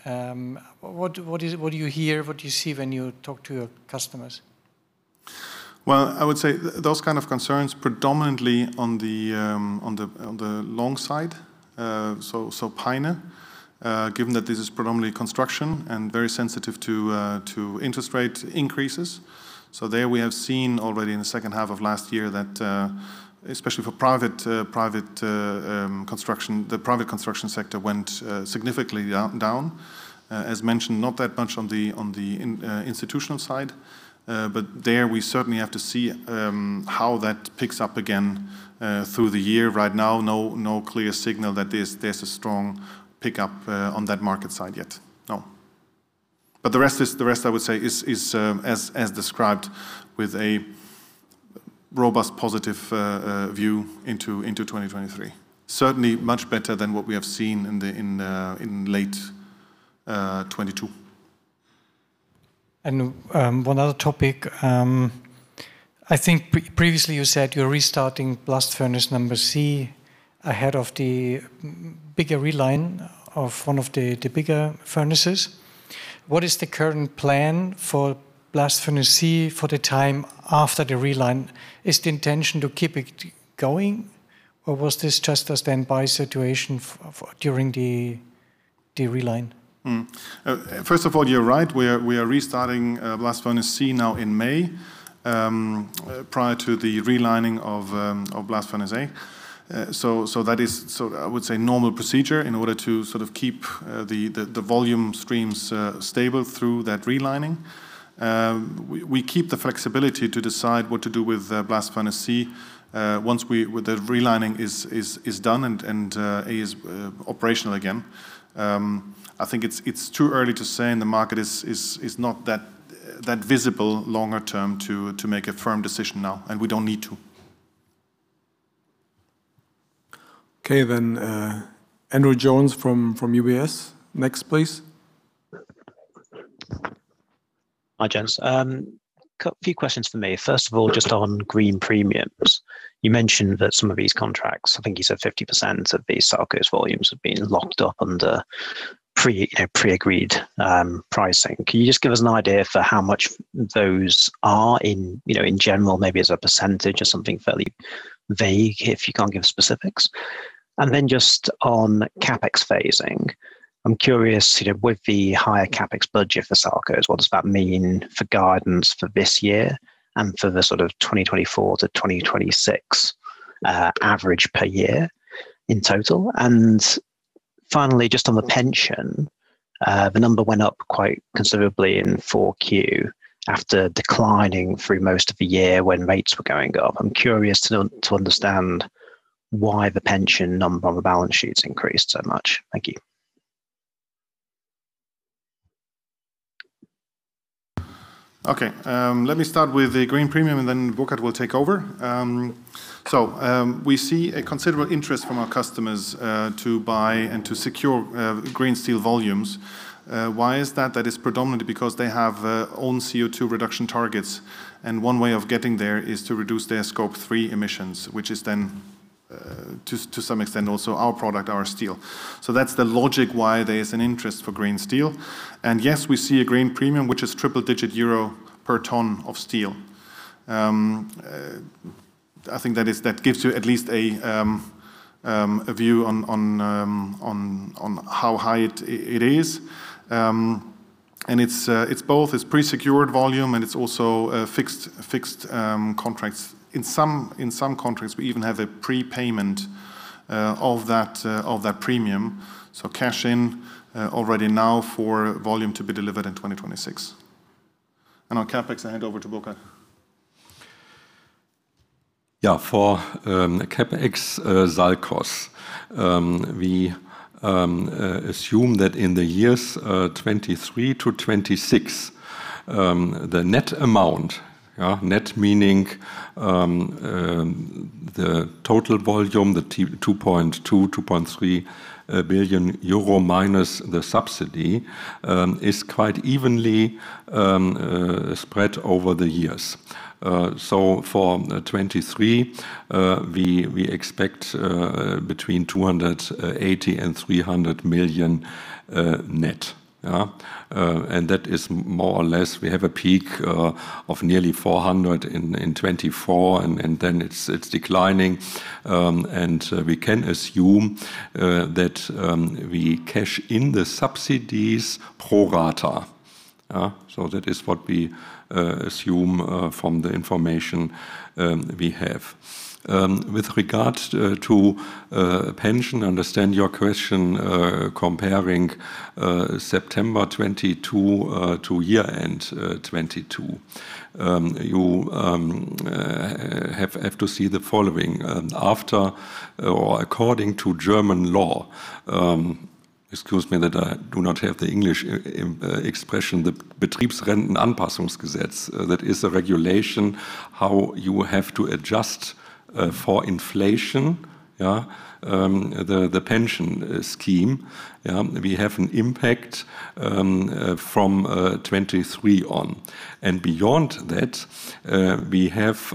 What do you hear, what do you see when you talk to your customers? I would say those kind of concerns predominantly on the long side, so Peiner, given that this is predominantly construction and very sensitive to interest rate increases. There we have seen already in the second half of last year that especially for private private construction, the private construction sector went significantly down. As mentioned, not that much on the institutional side, but there we certainly have to see how that picks up again through the year. Right now, no clear signal that there's a strong pickup on that market side yet. The rest is, the rest I would say is as described with a robust positive view into 2023. Certainly much better than what we have seen in the, in late, 2022. One other topic. I think previously you said you're restarting Blast Furnace C ahead of the bigger reline of one of the bigger furnaces. What is the current plan for Blast Furnace C for the time after the reline? Is the intention to keep it going, or was this just a standby situation for during the reline? First of all, you're right. We are restarting Blast Furnace C now in May, prior to the relining of Blast Furnace A. That is I would say normal procedure in order to sort of keep the volume streams stable through that relining. We keep the flexibility to decide what to do with Blast Furnace C, once the relining is done and A is operational again. I think it's too early to say, and the market is not that visible longer term to make a firm decision now, and we don't need to. Andrew Jones from UBS next, please. Hi, gents. Few questions for me. First of all, just on green premiums. You mentioned that some of these contracts, I think you said 50% of these SALCOS volumes have been locked up under you know, pre-agreed pricing. Can you just give us an idea for how much those are in, you know, in general, maybe as a percentage or something fairly vague if you can't give specifics? Just on CapEx phasing. I'm curious, you know, with the higher CapEx budget for SALCOS, what does that mean for guidance for this year and for the sort of 2024-2026 average per year in total? Finally, just on the pension, the number went up quite considerably in 4Q after declining through most of the year when rates were going up. I'm curious to understand why the pension number on the balance sheets increased so much. Thank you. Okay. Let me start with the green premium, and then Burkhard will take over. We see a considerable interest from our customers to buy and to secure green steel volumes. Why is that? That is predominantly because they have own CO2 reduction targets, and one way of getting there is to reduce their Scope 3 emissions, which is then to some extent also our product, our steel. That's the logic why there is an interest for green steel. Yes, we see a green premium, which is triple digit euro per ton of steel. I think that gives you at least a view on how high it is. It's both, it's pre-secured volume and it's also fixed contracts. In some contracts, we even have a prepayment, of that, of that premium. Cash in, already now for volume to be delivered in 2026. On CapEx, I hand over to Burkhard. For CapEx, SALCOS, we assume that in the years 2023-2026, the net amount, net meaning the total volume, 2.2 billion-2.3 billion euro minus the subsidy, is quite evenly spread over the years. For 2023, we expect between 280 million and 300 million net. That is more or less, we have a peak of nearly 400 million in 2024, then it's declining. We can assume that we cash in the subsidies pro rata. That is what we assume from the information we have. With regards to pension, I understand your question comparing September 22 to year-end 22. You have to see the following. After or according to German law, excuse me that I do not have the English expression, the Betriebsrentenanpassungsgesetz, that is a regulation how you have to adjust for inflation, the pension scheme. We have an impact from 23 on. Beyond that, we have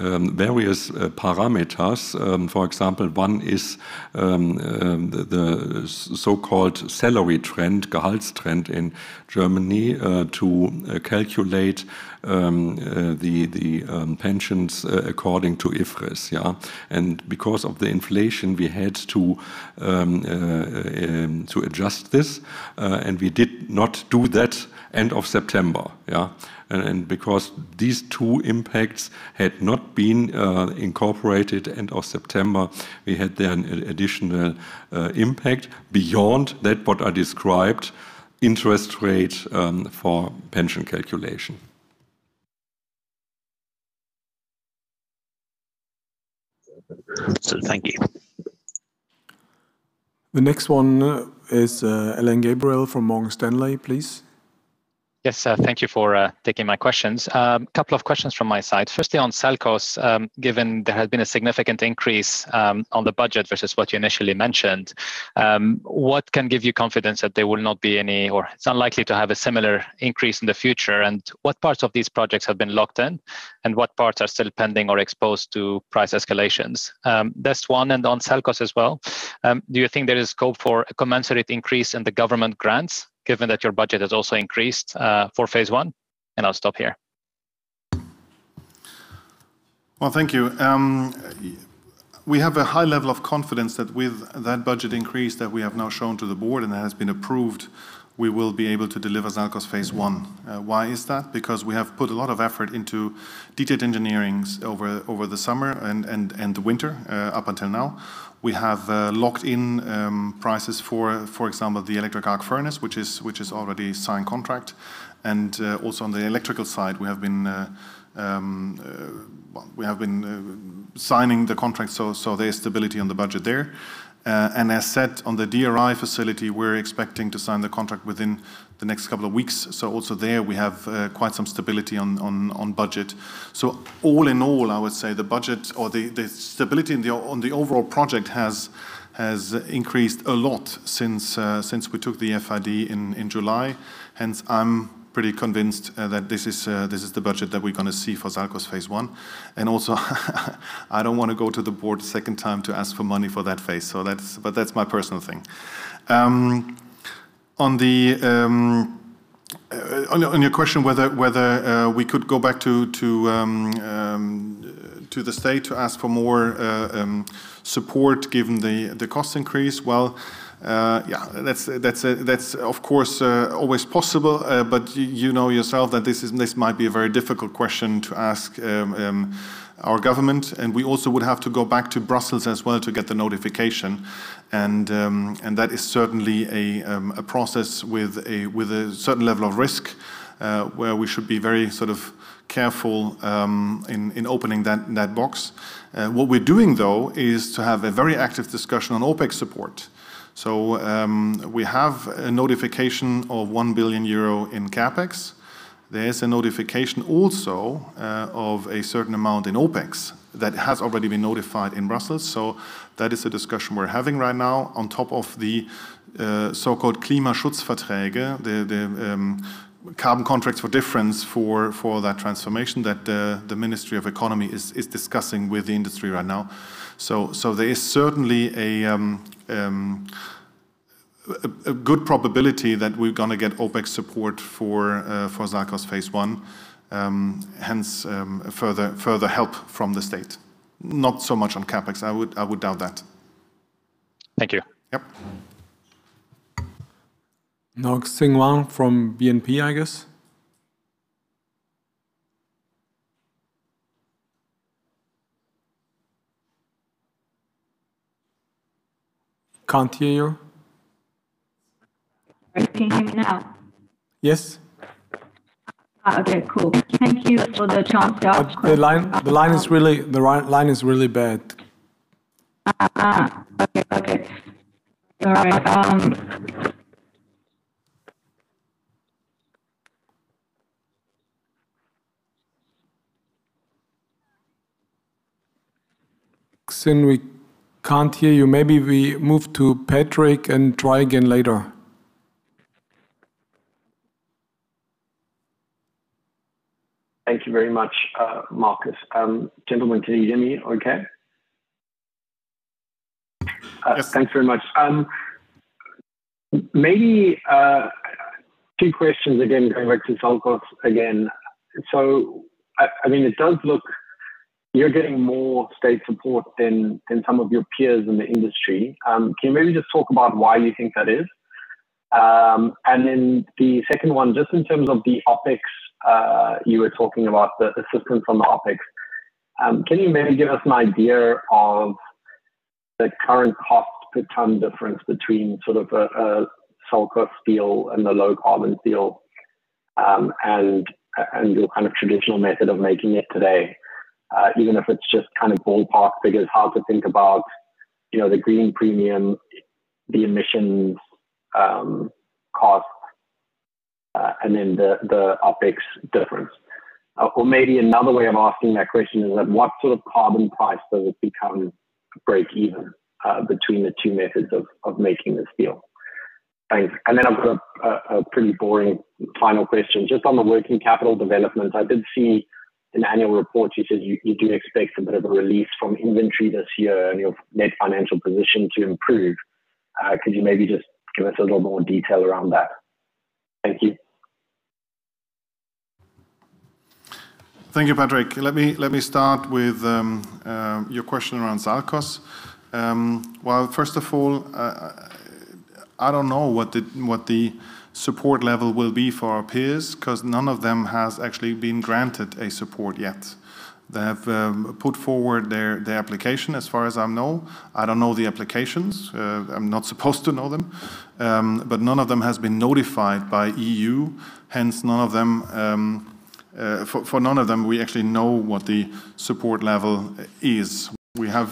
various parameters. For example, one is the so-called salary trend, Gehaltstrend in Germany, to calculate pensions according to IFRS. Because of the inflation, we had to adjust this, and we did not do that end of September. Because these two impacts had not been incorporated end of September, we had then an additional impact beyond that what I described, interest rate, for pension calculation. Absolutely. Thank you. The next one is, Alain Gabriel from Morgan Stanley, please. Yes. Thank you for taking my questions. Couple of questions from my side. Firstly, on SALCOS, given there has been a significant increase on the budget versus what you initially mentioned, what can give you confidence that there will not be any or it's unlikely to have a similar increase in the future? What parts of these projects have been locked in? What parts are still pending or exposed to price escalations? That's one, and on SALCOS as well, do you think there is scope for a commensurate increase in the government grants given that your budget has also increased for phase one? I'll stop here. Well, thank you. We have a high level of confidence that with that budget increase that we have now shown to the board and that has been approved, we will be able to deliver SALCOS phase one. Why is that? Because we have put a lot of effort into detailed engineering over the summer and winter up until now. We have locked in prices for example, the electric arc furnace, which is already signed contract. Also on the electrical side, we have been, well, we have been signing the contract, so there's stability on the budget there. As said on the DRI facility, we're expecting to sign the contract within the next couple of weeks. Also there, we have quite some stability on budget. All in all, I would say the budget or the stability on the overall project has increased a lot since since we took the FID in July. Hence, I'm pretty convinced that this is the budget that we're gonna see for SALCOS phase one. I don't wanna go to the board a second time to ask for money for that phase. But that's my personal thing. On your question whether we could go back to the state to ask for more support given the cost increase. Well, yeah, that's of course always possible. But you know yourself that this might be a very difficult question to ask our government. We also would have to go back to Brussels as well to get the notification. That is certainly a process with a certain level of risk, where we should be very sort of careful in opening that box. What we're doing though is to have a very active discussion on OpEx support. We have a notification of 1 billion euro in CapEx. There is a notification also of a certain amount in OpEx that has already been notified in Brussels. That is a discussion we're having right now on top of the so-called Klimaschutzverträge, the carbon contracts for difference for that transformation that the Ministry of Economy is discussing with the industry right now. There is certainly a good probability that we're gonna get OpEx support for SALCOS phase one, hence, further help from the state. Not so much on CapEx. I would doubt that. Thank you. Yep. Now Xing Wang from BNP, I guess. Can't hear you. Are you hearing me now? Yes. Okay, cool. Thank you for the chance to ask. The line is really bad. Okay. Okay. All right. Xing, we can't hear you. Maybe we move to Patrick and try again later. Thank you very much, Markus. Gentlemen, can you hear me okay? Yes. Thanks very much. Maybe two questions again going back to SALCOS again. I mean, it does look you're getting more state support than some of your peers in the industry. Can you maybe just talk about why you think that is? The second one, just in terms of the OpEx, you were talking about the assistance on the OpEx. Can you maybe give us an idea of the current cost per ton difference between sort of a SALCOS steel and the low carbon steel, and your kind of traditional method of making it today? Even if it's just kind of ballpark figures, how to think about, you know, the green premium, the emissions cost, and then the OpEx difference? Or maybe another way of asking that question is that what sort of carbon price does it become breakeven between the two methods of making the steel? Thanks. Then I've got a pretty boring final question. Just on the working capital development, I did see in annual reports you said you do expect a bit of a release from inventory this year and your net financial position to improve. Could you maybe just give us a little more detail around that? Thank you. Thank you, Patrick. Let me start with your question around SALCOS. Well, first of all, I don't know what the support level will be for our peers 'cause none of them has actually been granted a support yet. They have put forward their application as far as I know. I don't know the applications. I'm not supposed to know them. None of them has been notified by EU, hence none of them, for none of them, we actually know what the support level is. We have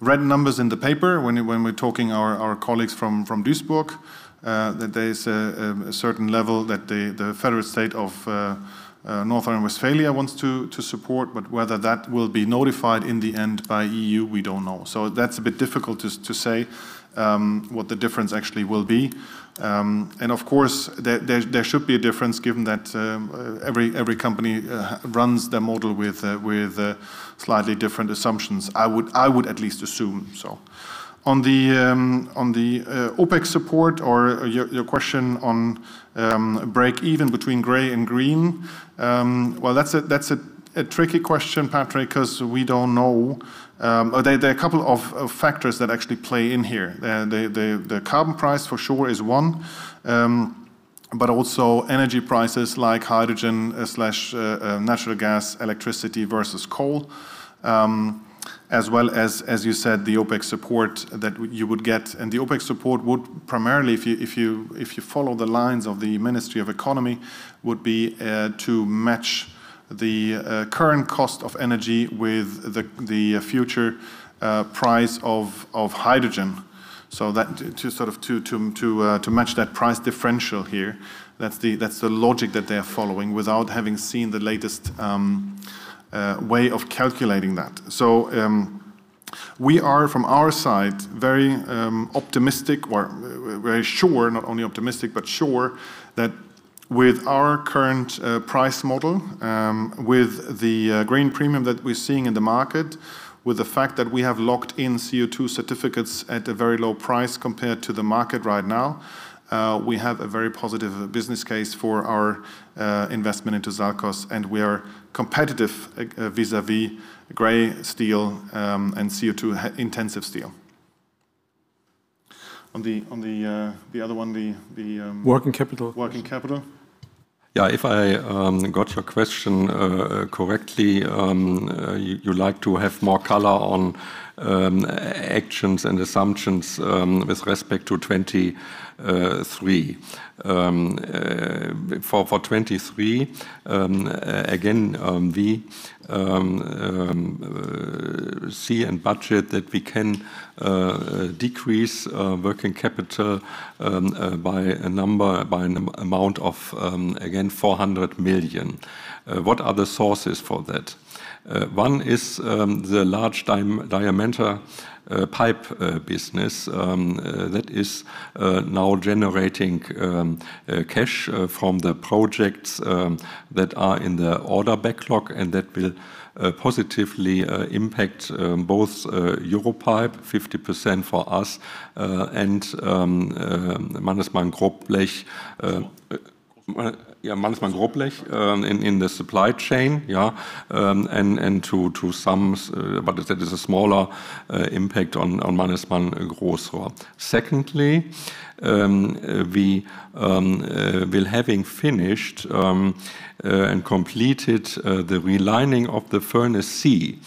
read numbers in the paper when we're talking our colleagues from Duisburg, that there is a certain level that the federal state of North Rhine-Westphalia wants to support. Whether that will be notified in the end by EU, we don't know. That's a bit difficult to say what the difference actually will be. Of course, there should be a difference given that every company runs their model with slightly different assumptions. I would at least assume so. On the OpEx support or your question on breakeven between gray and green. Well, that's a tricky question, Patrick, 'cause we don't know. There are a couple of factors that actually play in here. The carbon price for sure is one. Also energy prices like hydrogen/natural gas, electricity versus coal. As well as you said, the OpEx support that you would get. The OpEx support would primarily, if you follow the lines of the Ministry of Economy, would be to match the current cost of energy with the future price of hydrogen. To sort of, to match that price differential here. That's the, that's the logic that they're following without having seen the latest way of calculating that. We are, from our side, very optimistic. We're very sure, not only optimistic, but sure that with our current price model, with the green premium that we're seeing in the market, with the fact that we have locked in CO2 certificates at a very low price compared to the market right now, we have a very positive business case for our investment into SALCOS, and we are competitive vis-à-vis gray steel and CO2 intensive steel. Working capital. Working capital. Yeah. If I got your question correctly, you like to have more color on actions and assumptions with respect to 2023. For 2023, again, we see and budget that we can decrease working capital by a number, by an amount of again, 400 million. What are the sources for that? One is the large diameter pipe business that is now generating cash from the projects that are in the order backlog, and that will positively impact both EUROPIPE, 50% for us, and Mannesmann Grobblech in the supply chain. And to some, but that is a smaller impact on Mannesmann Group. Secondly, we will having finished and completed the relining of the furnace C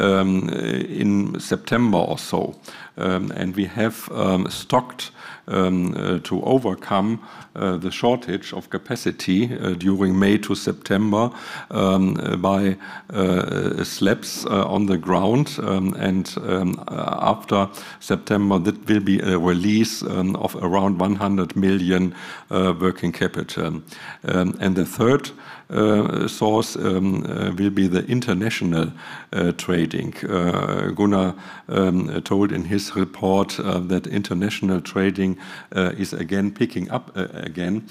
in September or so, and we have stocked to overcome the shortage of capacity during May to September by slaps on the ground. After September, that will be a release of around 100 million working capital. The third source will be the international trading. Gunnar told in his report that international trading is again picking up again.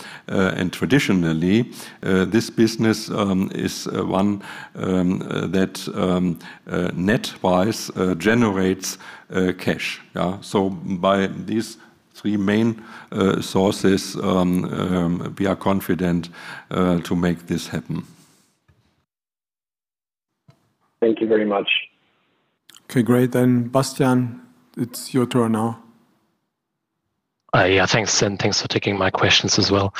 Traditionally, this business is one that net wise generates cash. Yeah. By these three main sources, we are confident to make this happen. Thank you very much. Okay, great. Bastian, it's your turn now. Yeah, thanks, and thanks for taking my questions as well.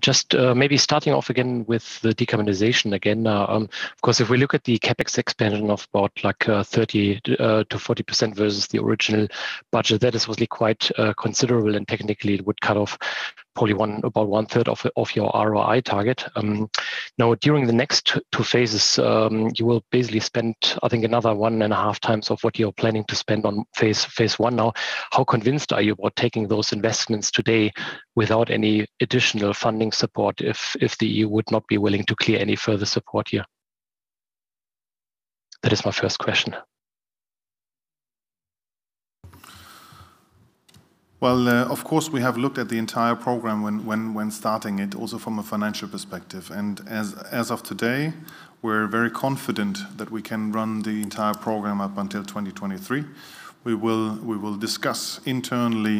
Just, maybe starting off again with the decarbonization again. Now, of course, if we look at the CapEx expansion of about like, 30%-40% versus the original budget, that is really quite considerable, and technically it would cut off probably one third of your ROI target. Now, during the next 2 phases, you will basically spend, I think, another 1.5 times of what you're planning to spend on phase 1 now. How convinced are you about taking those investments today without any additional funding support, if the EU would not be willing to clear any further support here? That is my first question. Well, of course, we have looked at the entire program when starting it, also from a financial perspective. As of today, we're very confident that we can run the entire program up until 2023. We will discuss internally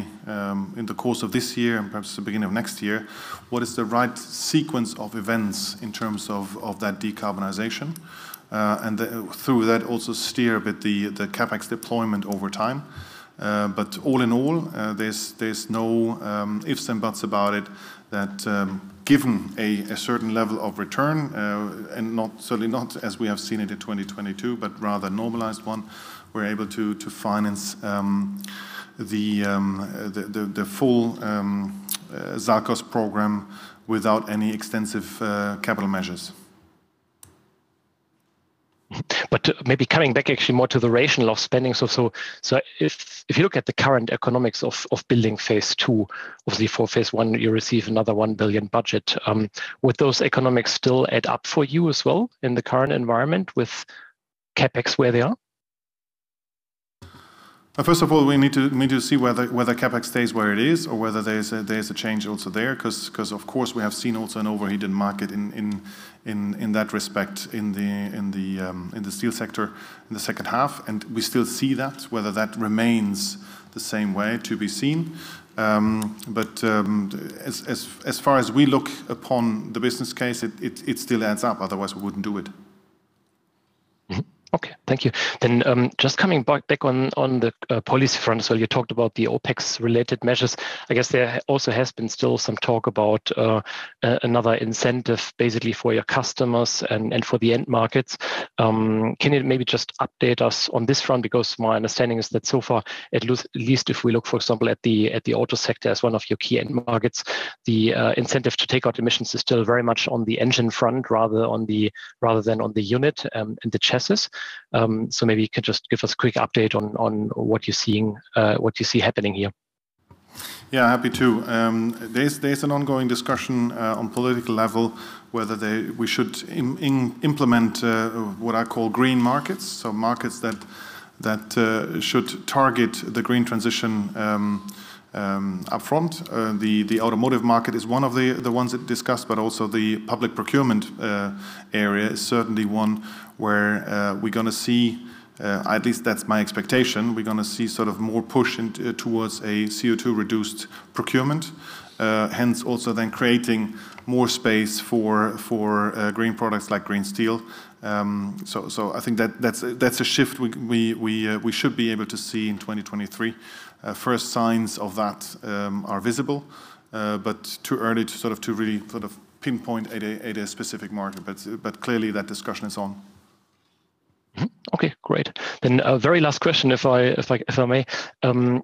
in the course of this year and perhaps the beginning of next year, what is the right sequence of events in terms of that decarbonization, and through that, also steer a bit the CapEx deployment over time. All in all, there's no ifs and buts about it that given a certain level of return, and not, certainly not as we have seen it in 2022, but rather normalized one, we're able to finance the full SALCOS program without any extensive capital measures. Maybe coming back actually more to the rationale of spending. If you look at the current economics of building phase two, obviously for phase one, you receive another 1 billion budget, would those economics still add up for you as well in the current environment with CapEx where they are? First of all, we need to see whether CapEx stays where it is or whether there's a change also there 'cause of course we have seen also an overheated market in that respect in the steel sector in the second half, and we still see that. Whether that remains the same way to be seen. As far as we look upon the business case, it still adds up, otherwise we wouldn't do it. Okay, thank you. Then, just coming back on the policy front. You talked about the OpEx related measures. I guess there also has been still some talk about another incentive basically for your customers and for the end markets. Can you maybe just update us on this front? Because my understanding is that so far, at least if we look, for example, at the auto sector as one of your key end markets, the incentive to take out emissions is still very much on the engine front rather than on the unit and the chassis. Maybe you can just give us a quick update on what you're seeing, what you see happening here. Yeah, happy to. There's an ongoing discussion on political level whether we should implement what I call green markets. Markets that should target the green transition upfront. The automotive market is one of the ones that discussed, but also the public procurement area is certainly one where we're gonna see, at least that's my expectation. We're gonna see sort of more push towards a CO2 reduced procurement, hence also then creating more space for green products like green steel. I think that's a shift we should be able to see in 2023. First signs of that are visible, too early to sort of to really sort of pinpoint at a specific market. Clearly that discussion is on. Okay, great. Very last question if I may.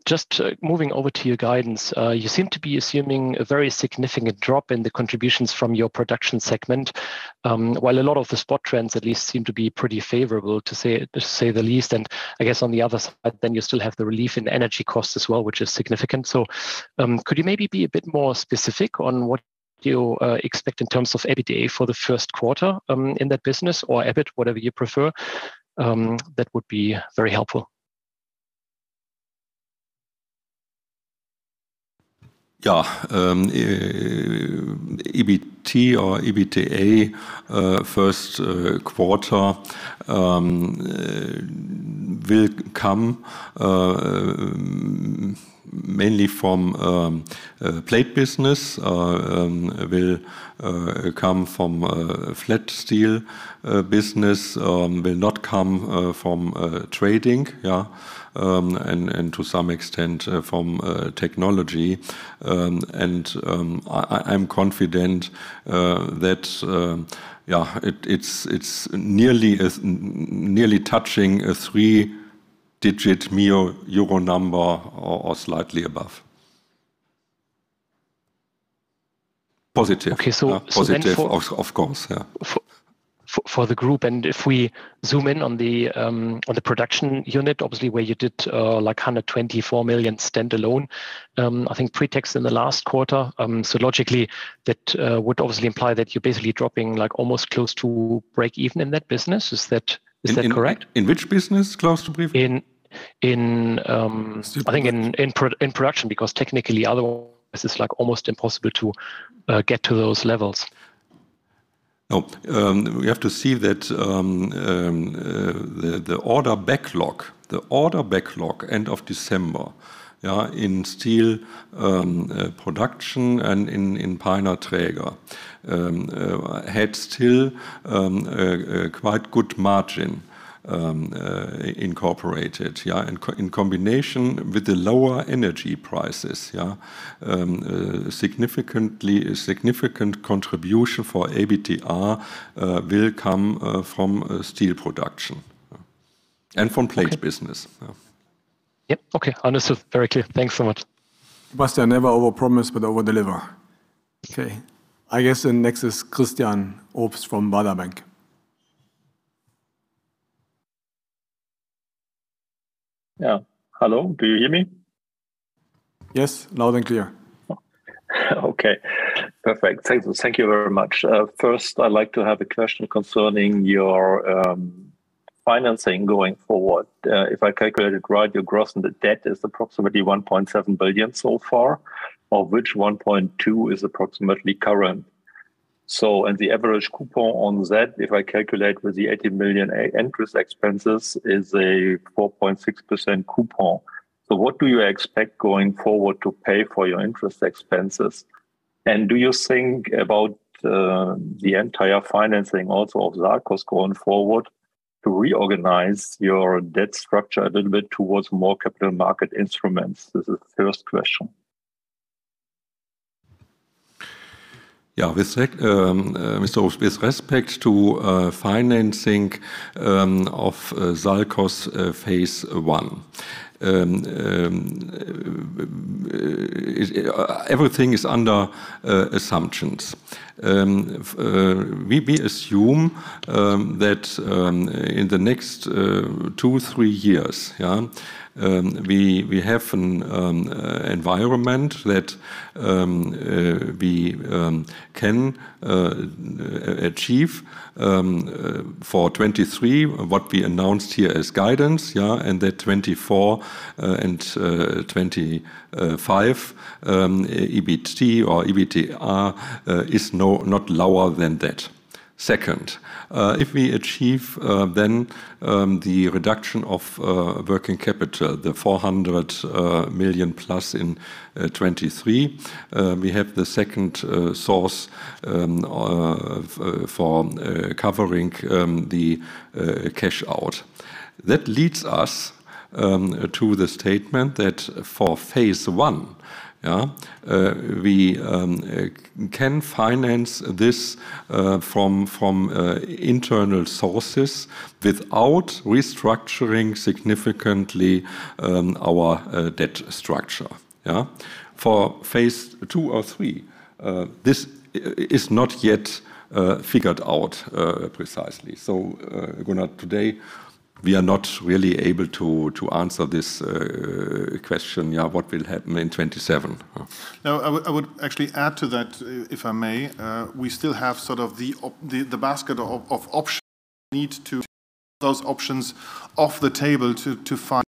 Just, moving over to your guidance, you seem to be assuming a very significant drop in the contributions from your production segment. While a lot of the spot trends at least seem to be pretty favorable, to say the least. I guess on the other side then you still have the relief in energy costs as well, which is significant. Could you maybe be a bit more specific on what you expect in terms of EBITDA for the first quarter, in that business or EBIT, whatever you prefer? That would be very helpful. EBT or EBITDA, first quarter will come mainly from plate business, will come from flat steel business, will not come from trading. To some extent from technology. I'm confident that it's nearly touching a three-digit million EUR number or slightly above. Positive. Okay. Positive. Of course. Yeah. For the group, If we zoom in on the production unit, obviously where you did like 124 million standalone, I think pre-tax in the last quarter. Logically that would obviously imply that you're basically dropping like almost close to break even in that business. Is that correct? In which business close to break even? In. Steel production. I think in production, because technically otherwise it's like almost impossible to get to those levels. We have to see that the order backlog end of December, in steel production and in Peiner Träger, had still a quite good margin incorporated. In combination with the lower energy prices. Significantly, a significant contribution for EBIT will come from steel production. Okay. From plate business. Yeah. Yeah. Okay. Understood. Very clear. Thanks so much. Bastian, never overpromise, but overdeliver. Okay. I guess the next is Christian Obst from Baader Bank. Yeah. Hello? Do you hear me? Yes. Loud and clear. Okay, perfect. Thank you. Thank you very much. First I'd like to have a question concerning your financing going forward. If I calculate it right, your gross indicated debt is approximately 1.7 billion so far, of which 1.2 billion is approximately current. And the average coupon on that, if I calculate with the 80 million interest expenses, is a 4.6% coupon. What do you expect going forward to pay for your interest expenses? Do you think about the entire financing also of SALCOS going forward to reorganize your debt structure a little bit towards more capital market instruments? This is the first question. Mr. Obst, with respect to financing of SALCOS phase one. Everything is under assumptions. We assume that in the next 2, 3 years, yeah, we have an environment that we can achieve for 2023 what we announced here as guidance. Yeah. That 2024 and 2025 EBT or EBITDA is not lower than that. Second, if we achieve then the reduction of working capital, the 400 million+ in 2023, we have the second source for covering the cash out. That leads us to the statement that for phase one, yeah, we can finance this from internal sources without restructuring significantly our debt structure. Yeah. For phase two or three, this is not yet figured out precisely. Gunnar, today We are not really able to answer this question, yeah, what will happen in 27. I would actually add to that, if I may. We still have sort of the basket of options. We need to take those options off the table to find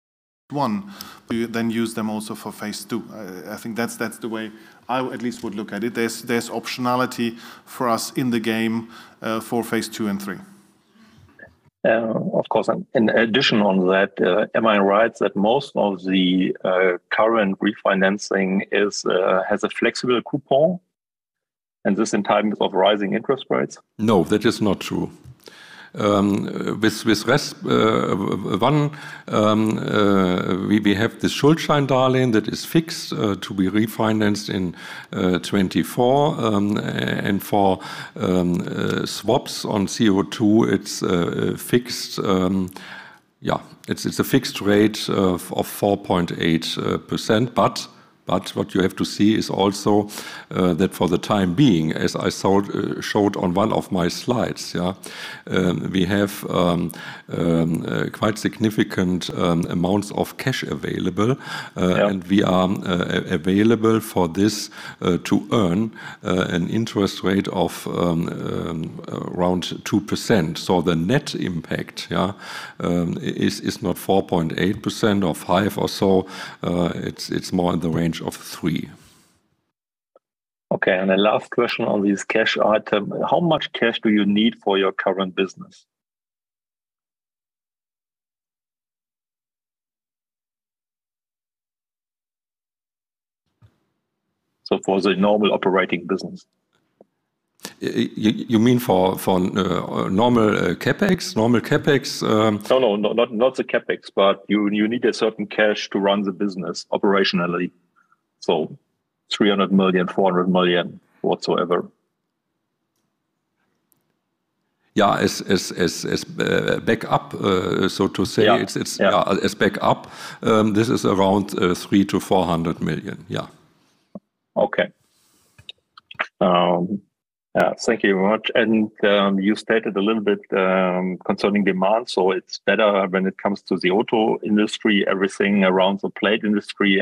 one. We use them also for phase two. I think that's the way I at least would look at it. There's optionality for us in the game for phase two and three. Of course. In addition on that, am I right that most of the current refinancing is has a flexible coupon, and this in times of rising interest rates? No, that is not true. With RES one, we have the Schuldscheindarlehen that is fixed to be refinanced in 2024. For swaps on CO2, it's fixed. Yeah, it's a fixed rate of 4.8%. What you have to see is also that for the time being, as I showed on one of my slides, yeah? We have quite significant amounts of cash available. Yeah. We are available for this to earn an interest rate of around 2%. The net impact is not 4.8% or 5% or so. It's more in the range of 3%. Okay. The last question on this cash item. How much cash do you need for your current business? For the normal operating business. You mean for normal CapEx? Normal CapEx? No, no. Not the CapEx, but you need a certain cash to run the business operationally. 300 million, 400 million, whatsoever. Yeah. As backup, so to say. Yeah. Yeah. It's as backup, this is around 300 million-400 million. Yeah. Okay. Thank you very much. You stated a little bit concerning demand, so it's better when it comes to the auto industry, everything around the plate industry.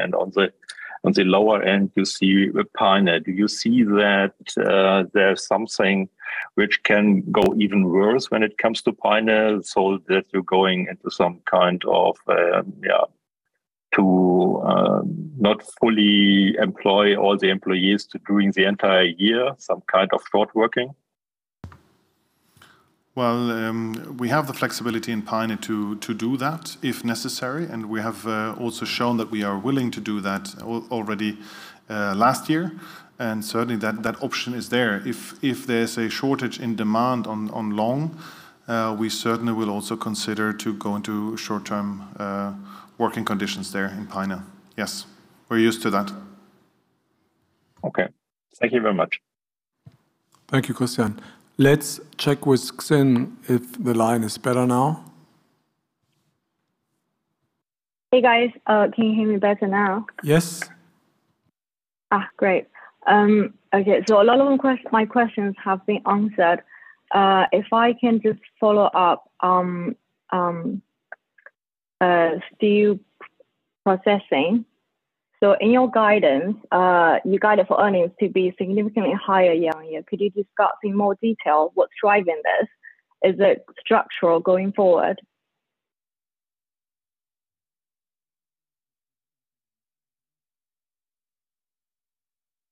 On the lower end, you see with Peiner. Do you see that there's something which can go even worse when it comes to Peiner, so that you're going into some kind of not fully employ all the employees during the entire year, some kind of short working? Well, we have the flexibility in Peiner to do that if necessary. We have also shown that we are willing to do that already last year. Certainly that option is there. If there's a shortage in demand on long, we certainly will also consider to go into short-term working conditions there in Peiner. Yes, we're used to that. Okay. Thank you very much. Thank you, Christian. Let's check with Xin if the line is better now. Hey, guys. Can you hear me better now? Yes. Great. Okay. A lot of them my questions have been answered. If I can just follow up on steel processing. In your guidance, you guided for earnings to be significantly higher year-on-year. Could you discuss in more detail what's driving this? Is it structural going forward?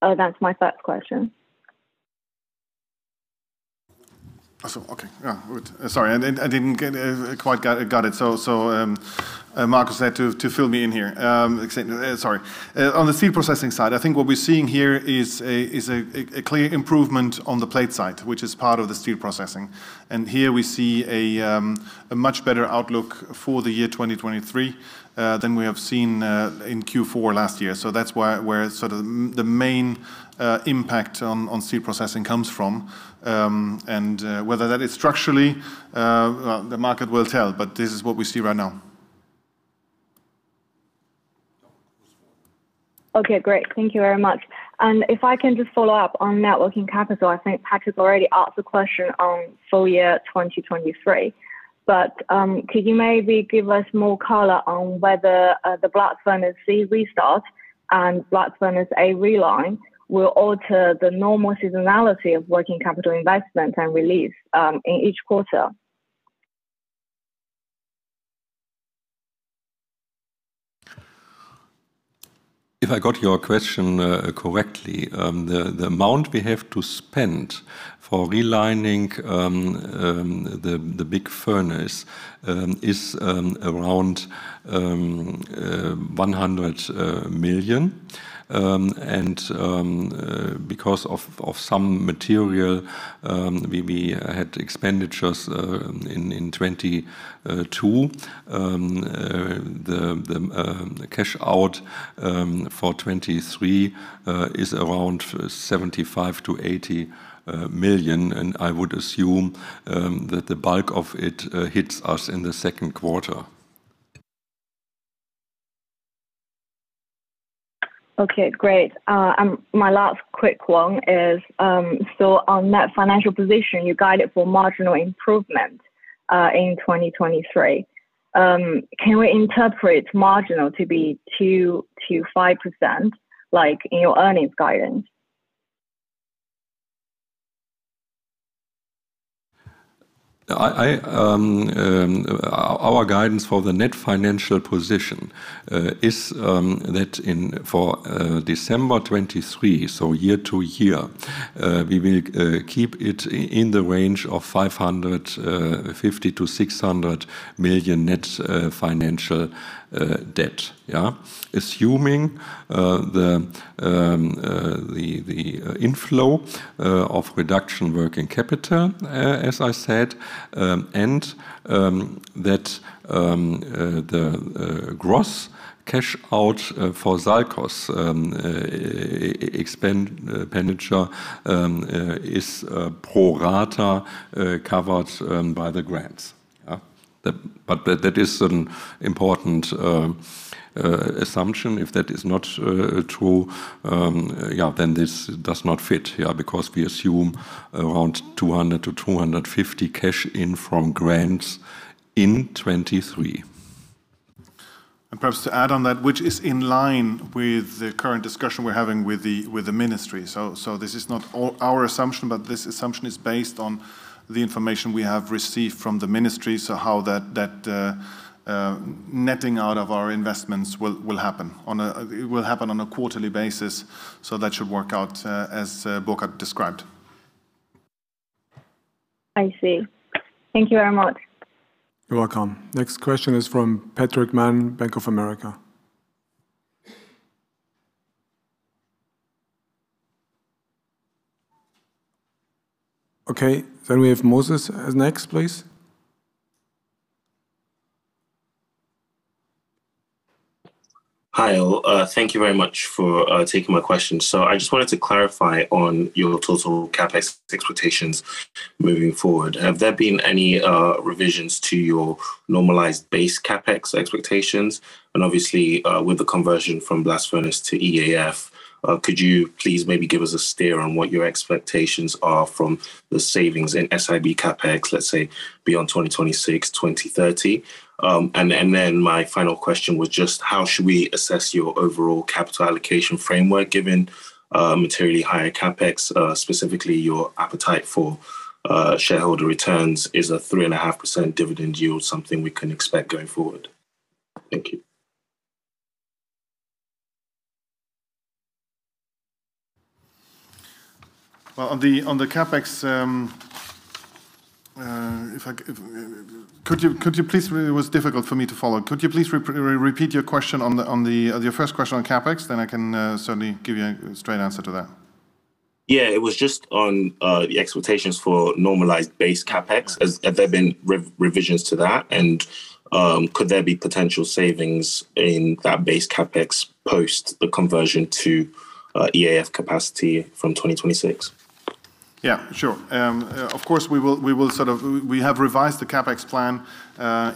That's my first question. Okay. Yeah. Good. Sorry, I didn't quite got it. Markus had to fill me in here. Xing, sorry. On the steel processing side, I think what we're seeing here is a clear improvement on the plate side, which is part of the steel processing. Here we see a much better outlook for the year 2023 than we have seen in Q4 last year. That's where sort of the main impact on steel processing comes from. Whether that is structurally, well, the market will tell, but this is what we see right now. Okay. Great. Thank you very much. If I can just follow up on net working capital. I think Patrick's already asked the question on full year 2023. Could you maybe give us more color on whether the Blast Furnace C restart and Blast Furnace A reline will alter the normal seasonality of working capital investment and release in each quarter? If I got your question correctly, the amount we have to spend for relining the big furnace is around EUR 100 million. Because of some material, we had expenditures in 2022. The cash out for 2023 is around 75-80 million. I would assume that the bulk of it hits us in the second quarter. Okay, great. my last quick one is, so on that financial position, you guided for marginal improvement, in 2023. Can we interpret marginal to be 2%-5% like in your earnings guidance? Our guidance for the net financial position is that for December 2023, so year-to-year, we will keep it in the range of 550 million-600 million net financial debt. Assuming the inflow of reduction working capital, as I said, and that the gross cash out for SALCOS expenditure is pro rata covered by the grants. That is an important assumption. If that is not true, then this does not fit. We assume around 200 million-250 million cash in from grants in 2023. Perhaps to add on that, which is in line with the current discussion we're having with the ministry. This is not our assumption, but this assumption is based on the information we have received from the ministry. How that netting out of our investments will happen on a quarterly basis, that should work out as Burkhard described. I see. Thank you very much. You're welcome. Next question is from Patrick Mann, Bank of America. We have Moses as next, please. Hi all. Thank you very much for taking my question. I just wanted to clarify on your total CapEx expectations moving forward. Have there been any revisions to your normalized base CapEx expectations? Obviously, with the conversion from blast furnace to EAF, could you please maybe give us a steer on what your expectations are from the savings in SIB CapEx, let's say, beyond 2026, 2030? Then my final question was just how should we assess your overall capital allocation framework given materially higher CapEx? Specifically your appetite for shareholder returns. Is a 3.5% dividend yield something we can expect going forward? Thank you. On the CapEx, it was difficult for me to follow. Could you please repeat your question on the... Your first question on CapEx, then I can certainly give you a straight answer to that. Yeah. It was just on the expectations for normalized base CapEx. Have there been revisions to that? Could there be potential savings in that base CapEx post the conversion to EAF capacity from 2026? Yeah, sure. Of course, We have revised the CapEx plan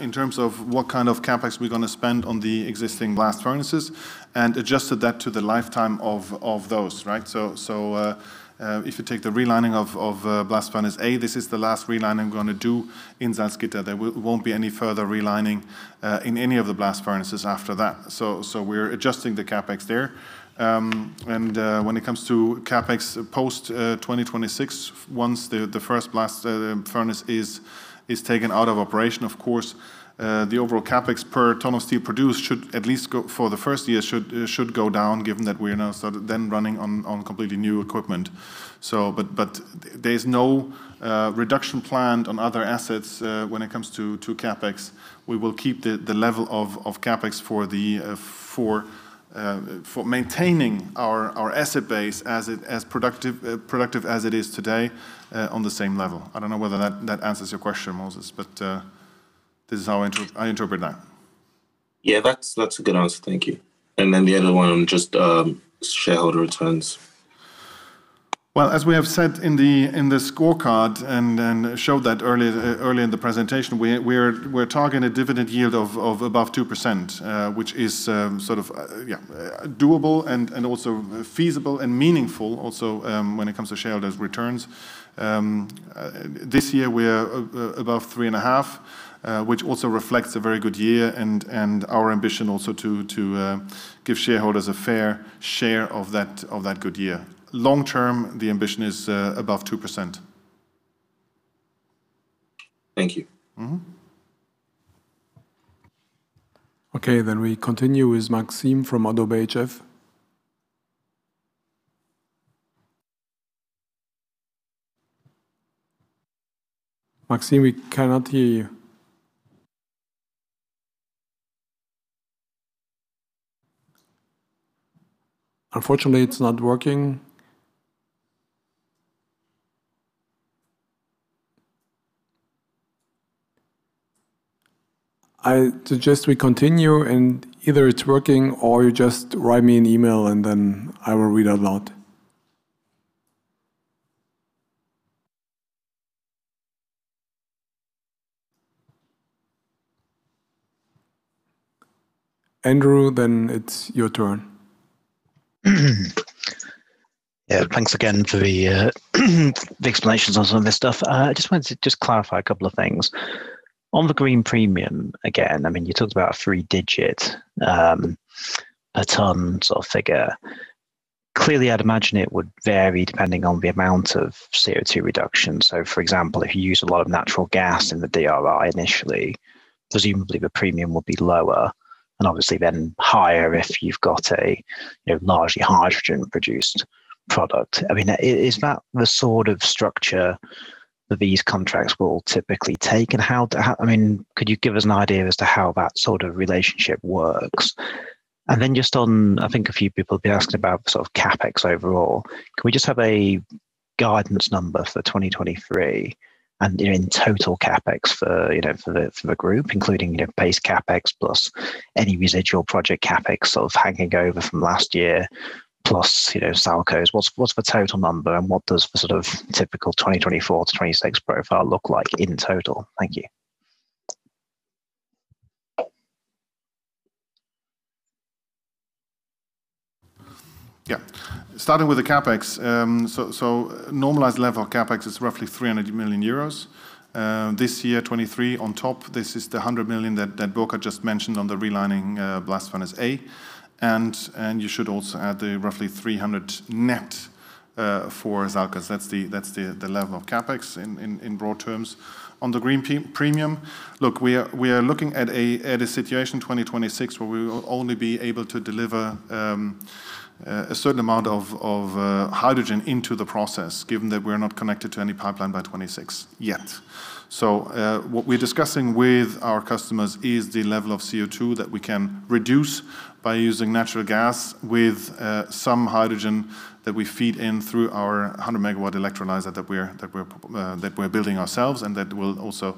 in terms of what kind of CapEx we're gonna spend on the existing blast furnaces and adjusted that to the lifetime of those, right? If you take the relining of Blast Furnace A, this is the last relining we're gonna do in Salzgitter. There won't be any further relining in any of the blast furnaces after that. We're adjusting the CapEx there. When it comes to CapEx post 2026, once the first blast furnace is taken out of operation, of course, the overall CapEx per ton of steel produced should at least go, for the first year, should go down given that we are now sort of then running on completely new equipment. But there is no reduction planned on other assets when it comes to CapEx. We will keep the level of CapEx for maintaining our asset base as productive as it is today on the same level. I don't know whether that answers your question, Moses, but this is how I interpret that. Yeah. That's a good answer. Thank you. Then the other one on just shareholder returns. Well, as we have said in the scorecard and showed that early in the presentation, we're targeting a dividend yield of above 2%, which is sort of doable and also feasible and meaningful also, when it comes to shareholders' returns. This year we are above 3.5%, which also reflects a very good year and our ambition also to give shareholders a fair share of that good year. Long term, the ambition is above 2%. Thank you. Mm-hmm. Okay. We continue with Maxime from ODDO BHF. Maxime, we cannot hear you. Unfortunately, it's not working. I suggest we continue, and either it's working or you just write me an email, and then I will read out loud. Andrew, it's your turn. Yeah, thanks again for the explanations on some of this stuff. I just wanted to just clarify a couple of things. On the green premium, again, you talked about a three-digit per ton sort of figure. Clearly I'd imagine it would vary depending on the amount of CO2 reduction. For example, if you use a lot of natural gas in the DRI initially, presumably the premium would be lower, and obviously then higher if you've got a largely hydrogen-produced product. Is that the sort of structure that these contracts will typically take? How could you give us an idea as to how that sort of relationship works? Just on, I think a few people have been asking about the sort of CapEx overall. Can we just have a guidance number for 2023 and, you know, in total CapEx for, you know, for the group, including, you know, base CapEx plus any residual project CapEx sort of hanging over from last year, plus, you know, SALCOS? What's the total number and what does the sort of typical 2024 to 2026 profile look like in total? Thank you. Yeah. Starting with the CapEx. normalized level of CapEx is roughly 300 million euros. This year, 2023 on top, this is the 100 million Burkhard just mentioned on the relining Blast Furnace A. you should also add the roughly 300 net for SALCOS. That's the level of CapEx in broad terms. On the green premium, look, we are looking at a situation in 2026 where we will only be able to deliver a certain amount of hydrogen into the process, given that we're not connected to any pipeline by 2026 yet. What we're discussing with our customers is the level of CO2 that we can reduce by using natural gas with some hydrogen that we feed in through our 100 megawatt electrolyzer that we're building ourselves, and that will also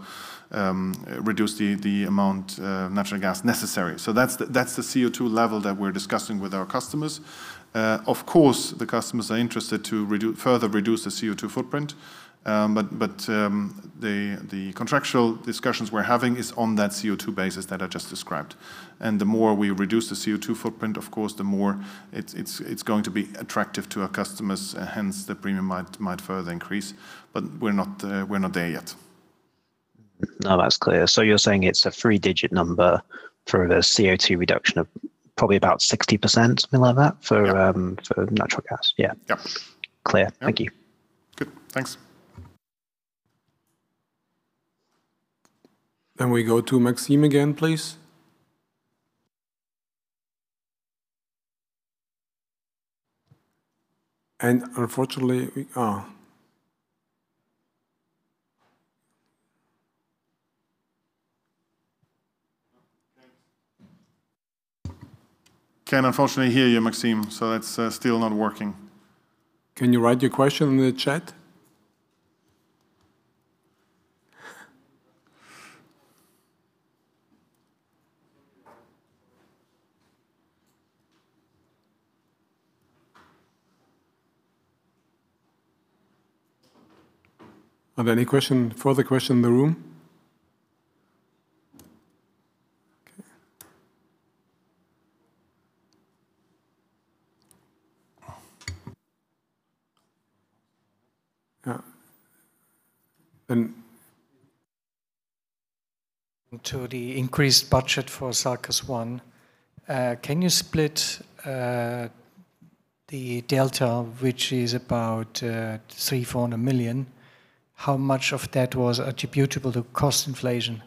reduce the amount natural gas necessary. That's the CO2 level that we're discussing with our customers. Of course, the customers are interested to further reduce the CO2 footprint. But the contractual discussions we're having is on that CO2 basis that I just described. The more we reduce the CO2 footprint, of course, the more it's going to be attractive to our customers, hence the premium might further increase. We're not there yet. That's clear. You're saying it's a 3-digit number for the CO2 reduction of probably about 60%, something like that. Yeah ...for natural gas. Yeah. Yeah. Clear. Yeah. Thank you. Good. Thanks. Can we go to Maxime again, please? Unfortunately, we... Can't- Can't unfortunately hear you, Maxime, so that's still not working. Can you write your question in the chat? Are there any question, further question in the room? Okay. Yeah. To the increased budget for SALCOS I, can you split the delta, which is about 300-400 million? How much of that was attributable to cost inflation?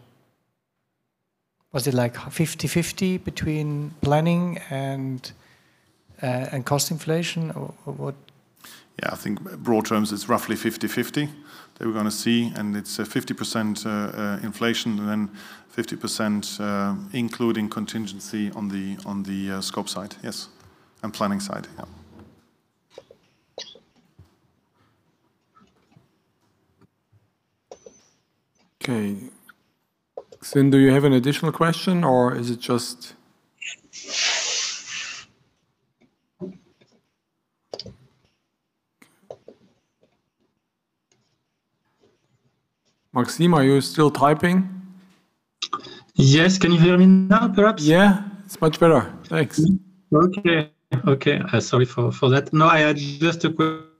Was it like 50/50 between planning and cost inflation or what? Yeah. I think broad terms, it's roughly 50/50 that we're gonna see, it's 50% inflation, then 50%, including contingency on the scope side. Yes. Planning side. Yeah. Okay. Xing, do you have an additional question or is it just... Maxime, are you still typing? Yes. Can you hear me now perhaps? Yeah. It's much better. Thanks. Okay. Okay. Sorry for that. No, I had just a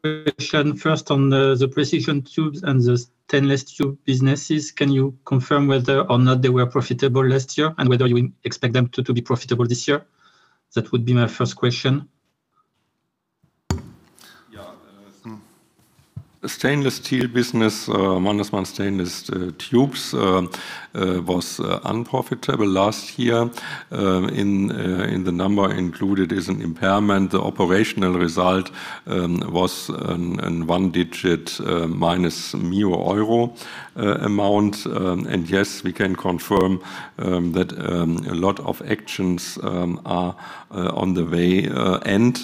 question first on the Precision Tubes and the stainless tube businesses. Can you confirm whether or not they were profitable last year and whether you expect them to be profitable this year? That would be my first question. The stainless steel business, minus one stainless, tubes, was unprofitable last year. In the number included is an impairment. The operational result was a 1-digit minus EUR million amount. Yes, we can confirm that a lot of actions are on the way, and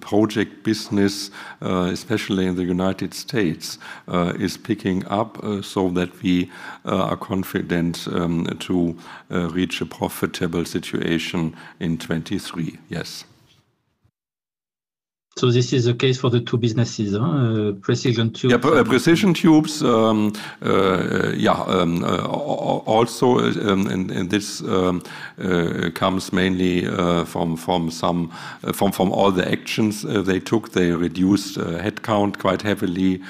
project business, especially in the United States, is picking up, so that we are confident to reach a profitable situation in 2023. Yes. This is the case for the two businesses, huh? Yeah, pre-precision tubes, yeah. Also, this comes mainly from all the actions they took. They reduced headcount quite heavily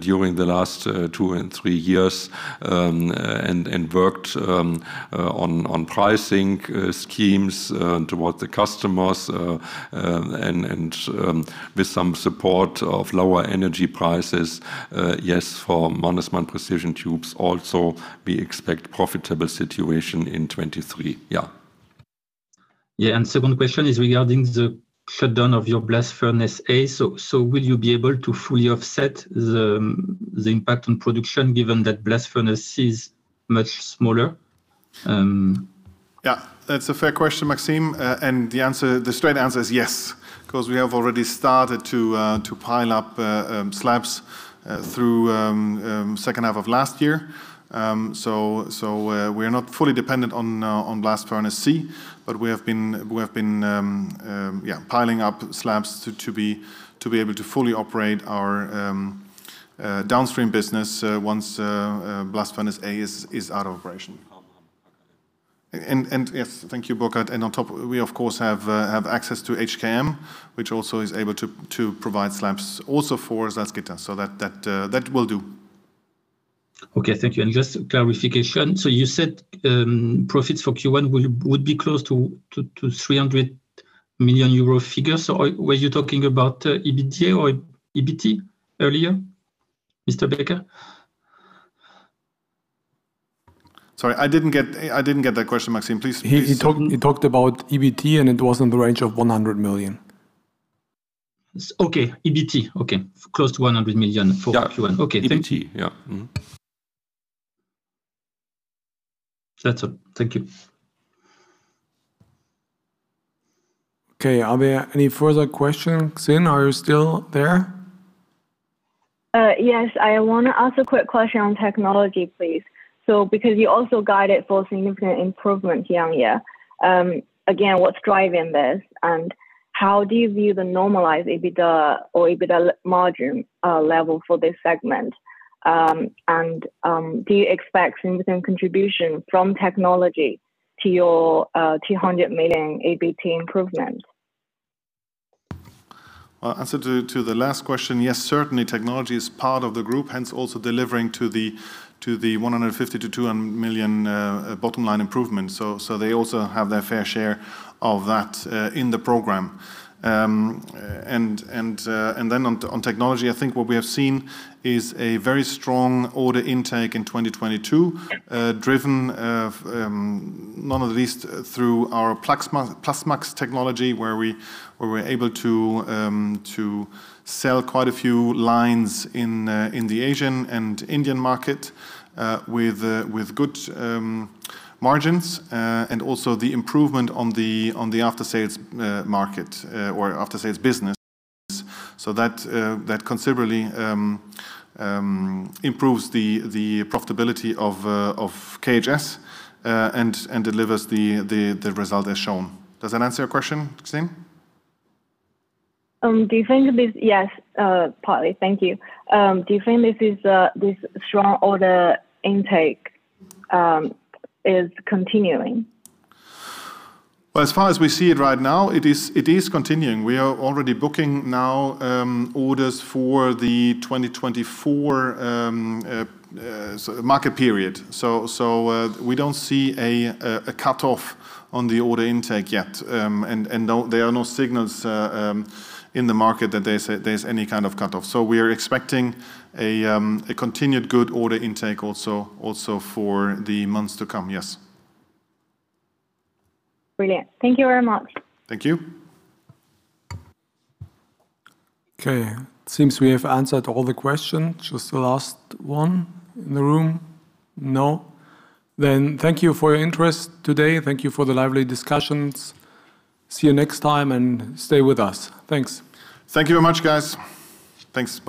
during the last 2 and 3 years, and worked on pricing schemes towards the customers. With some support of lower energy prices, yes, for Mannesmann Precision Tubes also we expect profitable situation in 2023. Yeah. Yeah. Second question is regarding the shutdown of your Blast Furnace A. so will you be able to fully offset the impact on production given that blast furnace is much smaller? Yeah, that's a fair question, Maxime. The answer, the straight answer is yes, 'cause we have already started to pile up slabs through second half of last year. We are not fully dependent on Blast Furnace C, but we have been, yeah, piling up slabs to be able to fully operate our downstream business once Blast Furnace A is out of operation. Yes, thank you, Burkhard. On top, we of course have access to HKM, which also is able to provide slabs also for Saarstahl. That will do. Thank you. Just clarification. You said profits for Q1 would be close to 300 million euro figure. Were you talking about EBITDA or EBT earlier, Mr. Becker? Sorry, I didn't get that question, Maxime. Please. He talked about EBT, and it was in the range of 100 million. Okay. EBT. Okay. Close to 100 million for Q1. Yeah. Okay. Thank you. EBT. Yeah. That's all. Thank you. Okay. Are there any further questions? Xing, are you still there? Yes. I wanna ask a quick question on technology, please. Because you also guided for significant improvement here on here, again, what's driving this, and how do you view the normalized EBITDA or EBITDA margin level for this segment? Do you expect significant contribution from technology to your 200 million EBT improvement? Answer to the last question, yes, certainly technology is part of the group, hence also delivering to the 150 million-200 million bottom line improvement. They also have their fair share of that in the program. Then on technology, I think what we have seen is a very strong order intake in 2022. Okay... driven, not at least through our Plasmax technology, where we're able to sell quite a few lines in the Asian and Indian market, with good margins. Also the improvement on the after-sales market or after-sales business. That considerably improves the profitability of KHS and delivers the result as shown. Does that answer your question, Xing? Yes, partly. Thank you. Do you think this is this strong order intake is continuing? As far as we see it right now, it is continuing. We are already booking now, orders for the 2024, so market period. We don't see a cutoff on the order intake yet. There are no signals in the market that there's any kind of cutoff. We are expecting a continued good order intake also for the months to come. Yes. Brilliant. Thank you very much. Thank you. Okay. Seems we have answered all the questions. Just the last one in the room. No? Thank you for your interest today. Thank you for the lively discussions. See you next time, and stay with us. Thanks. Thank you very much, guys. Thanks.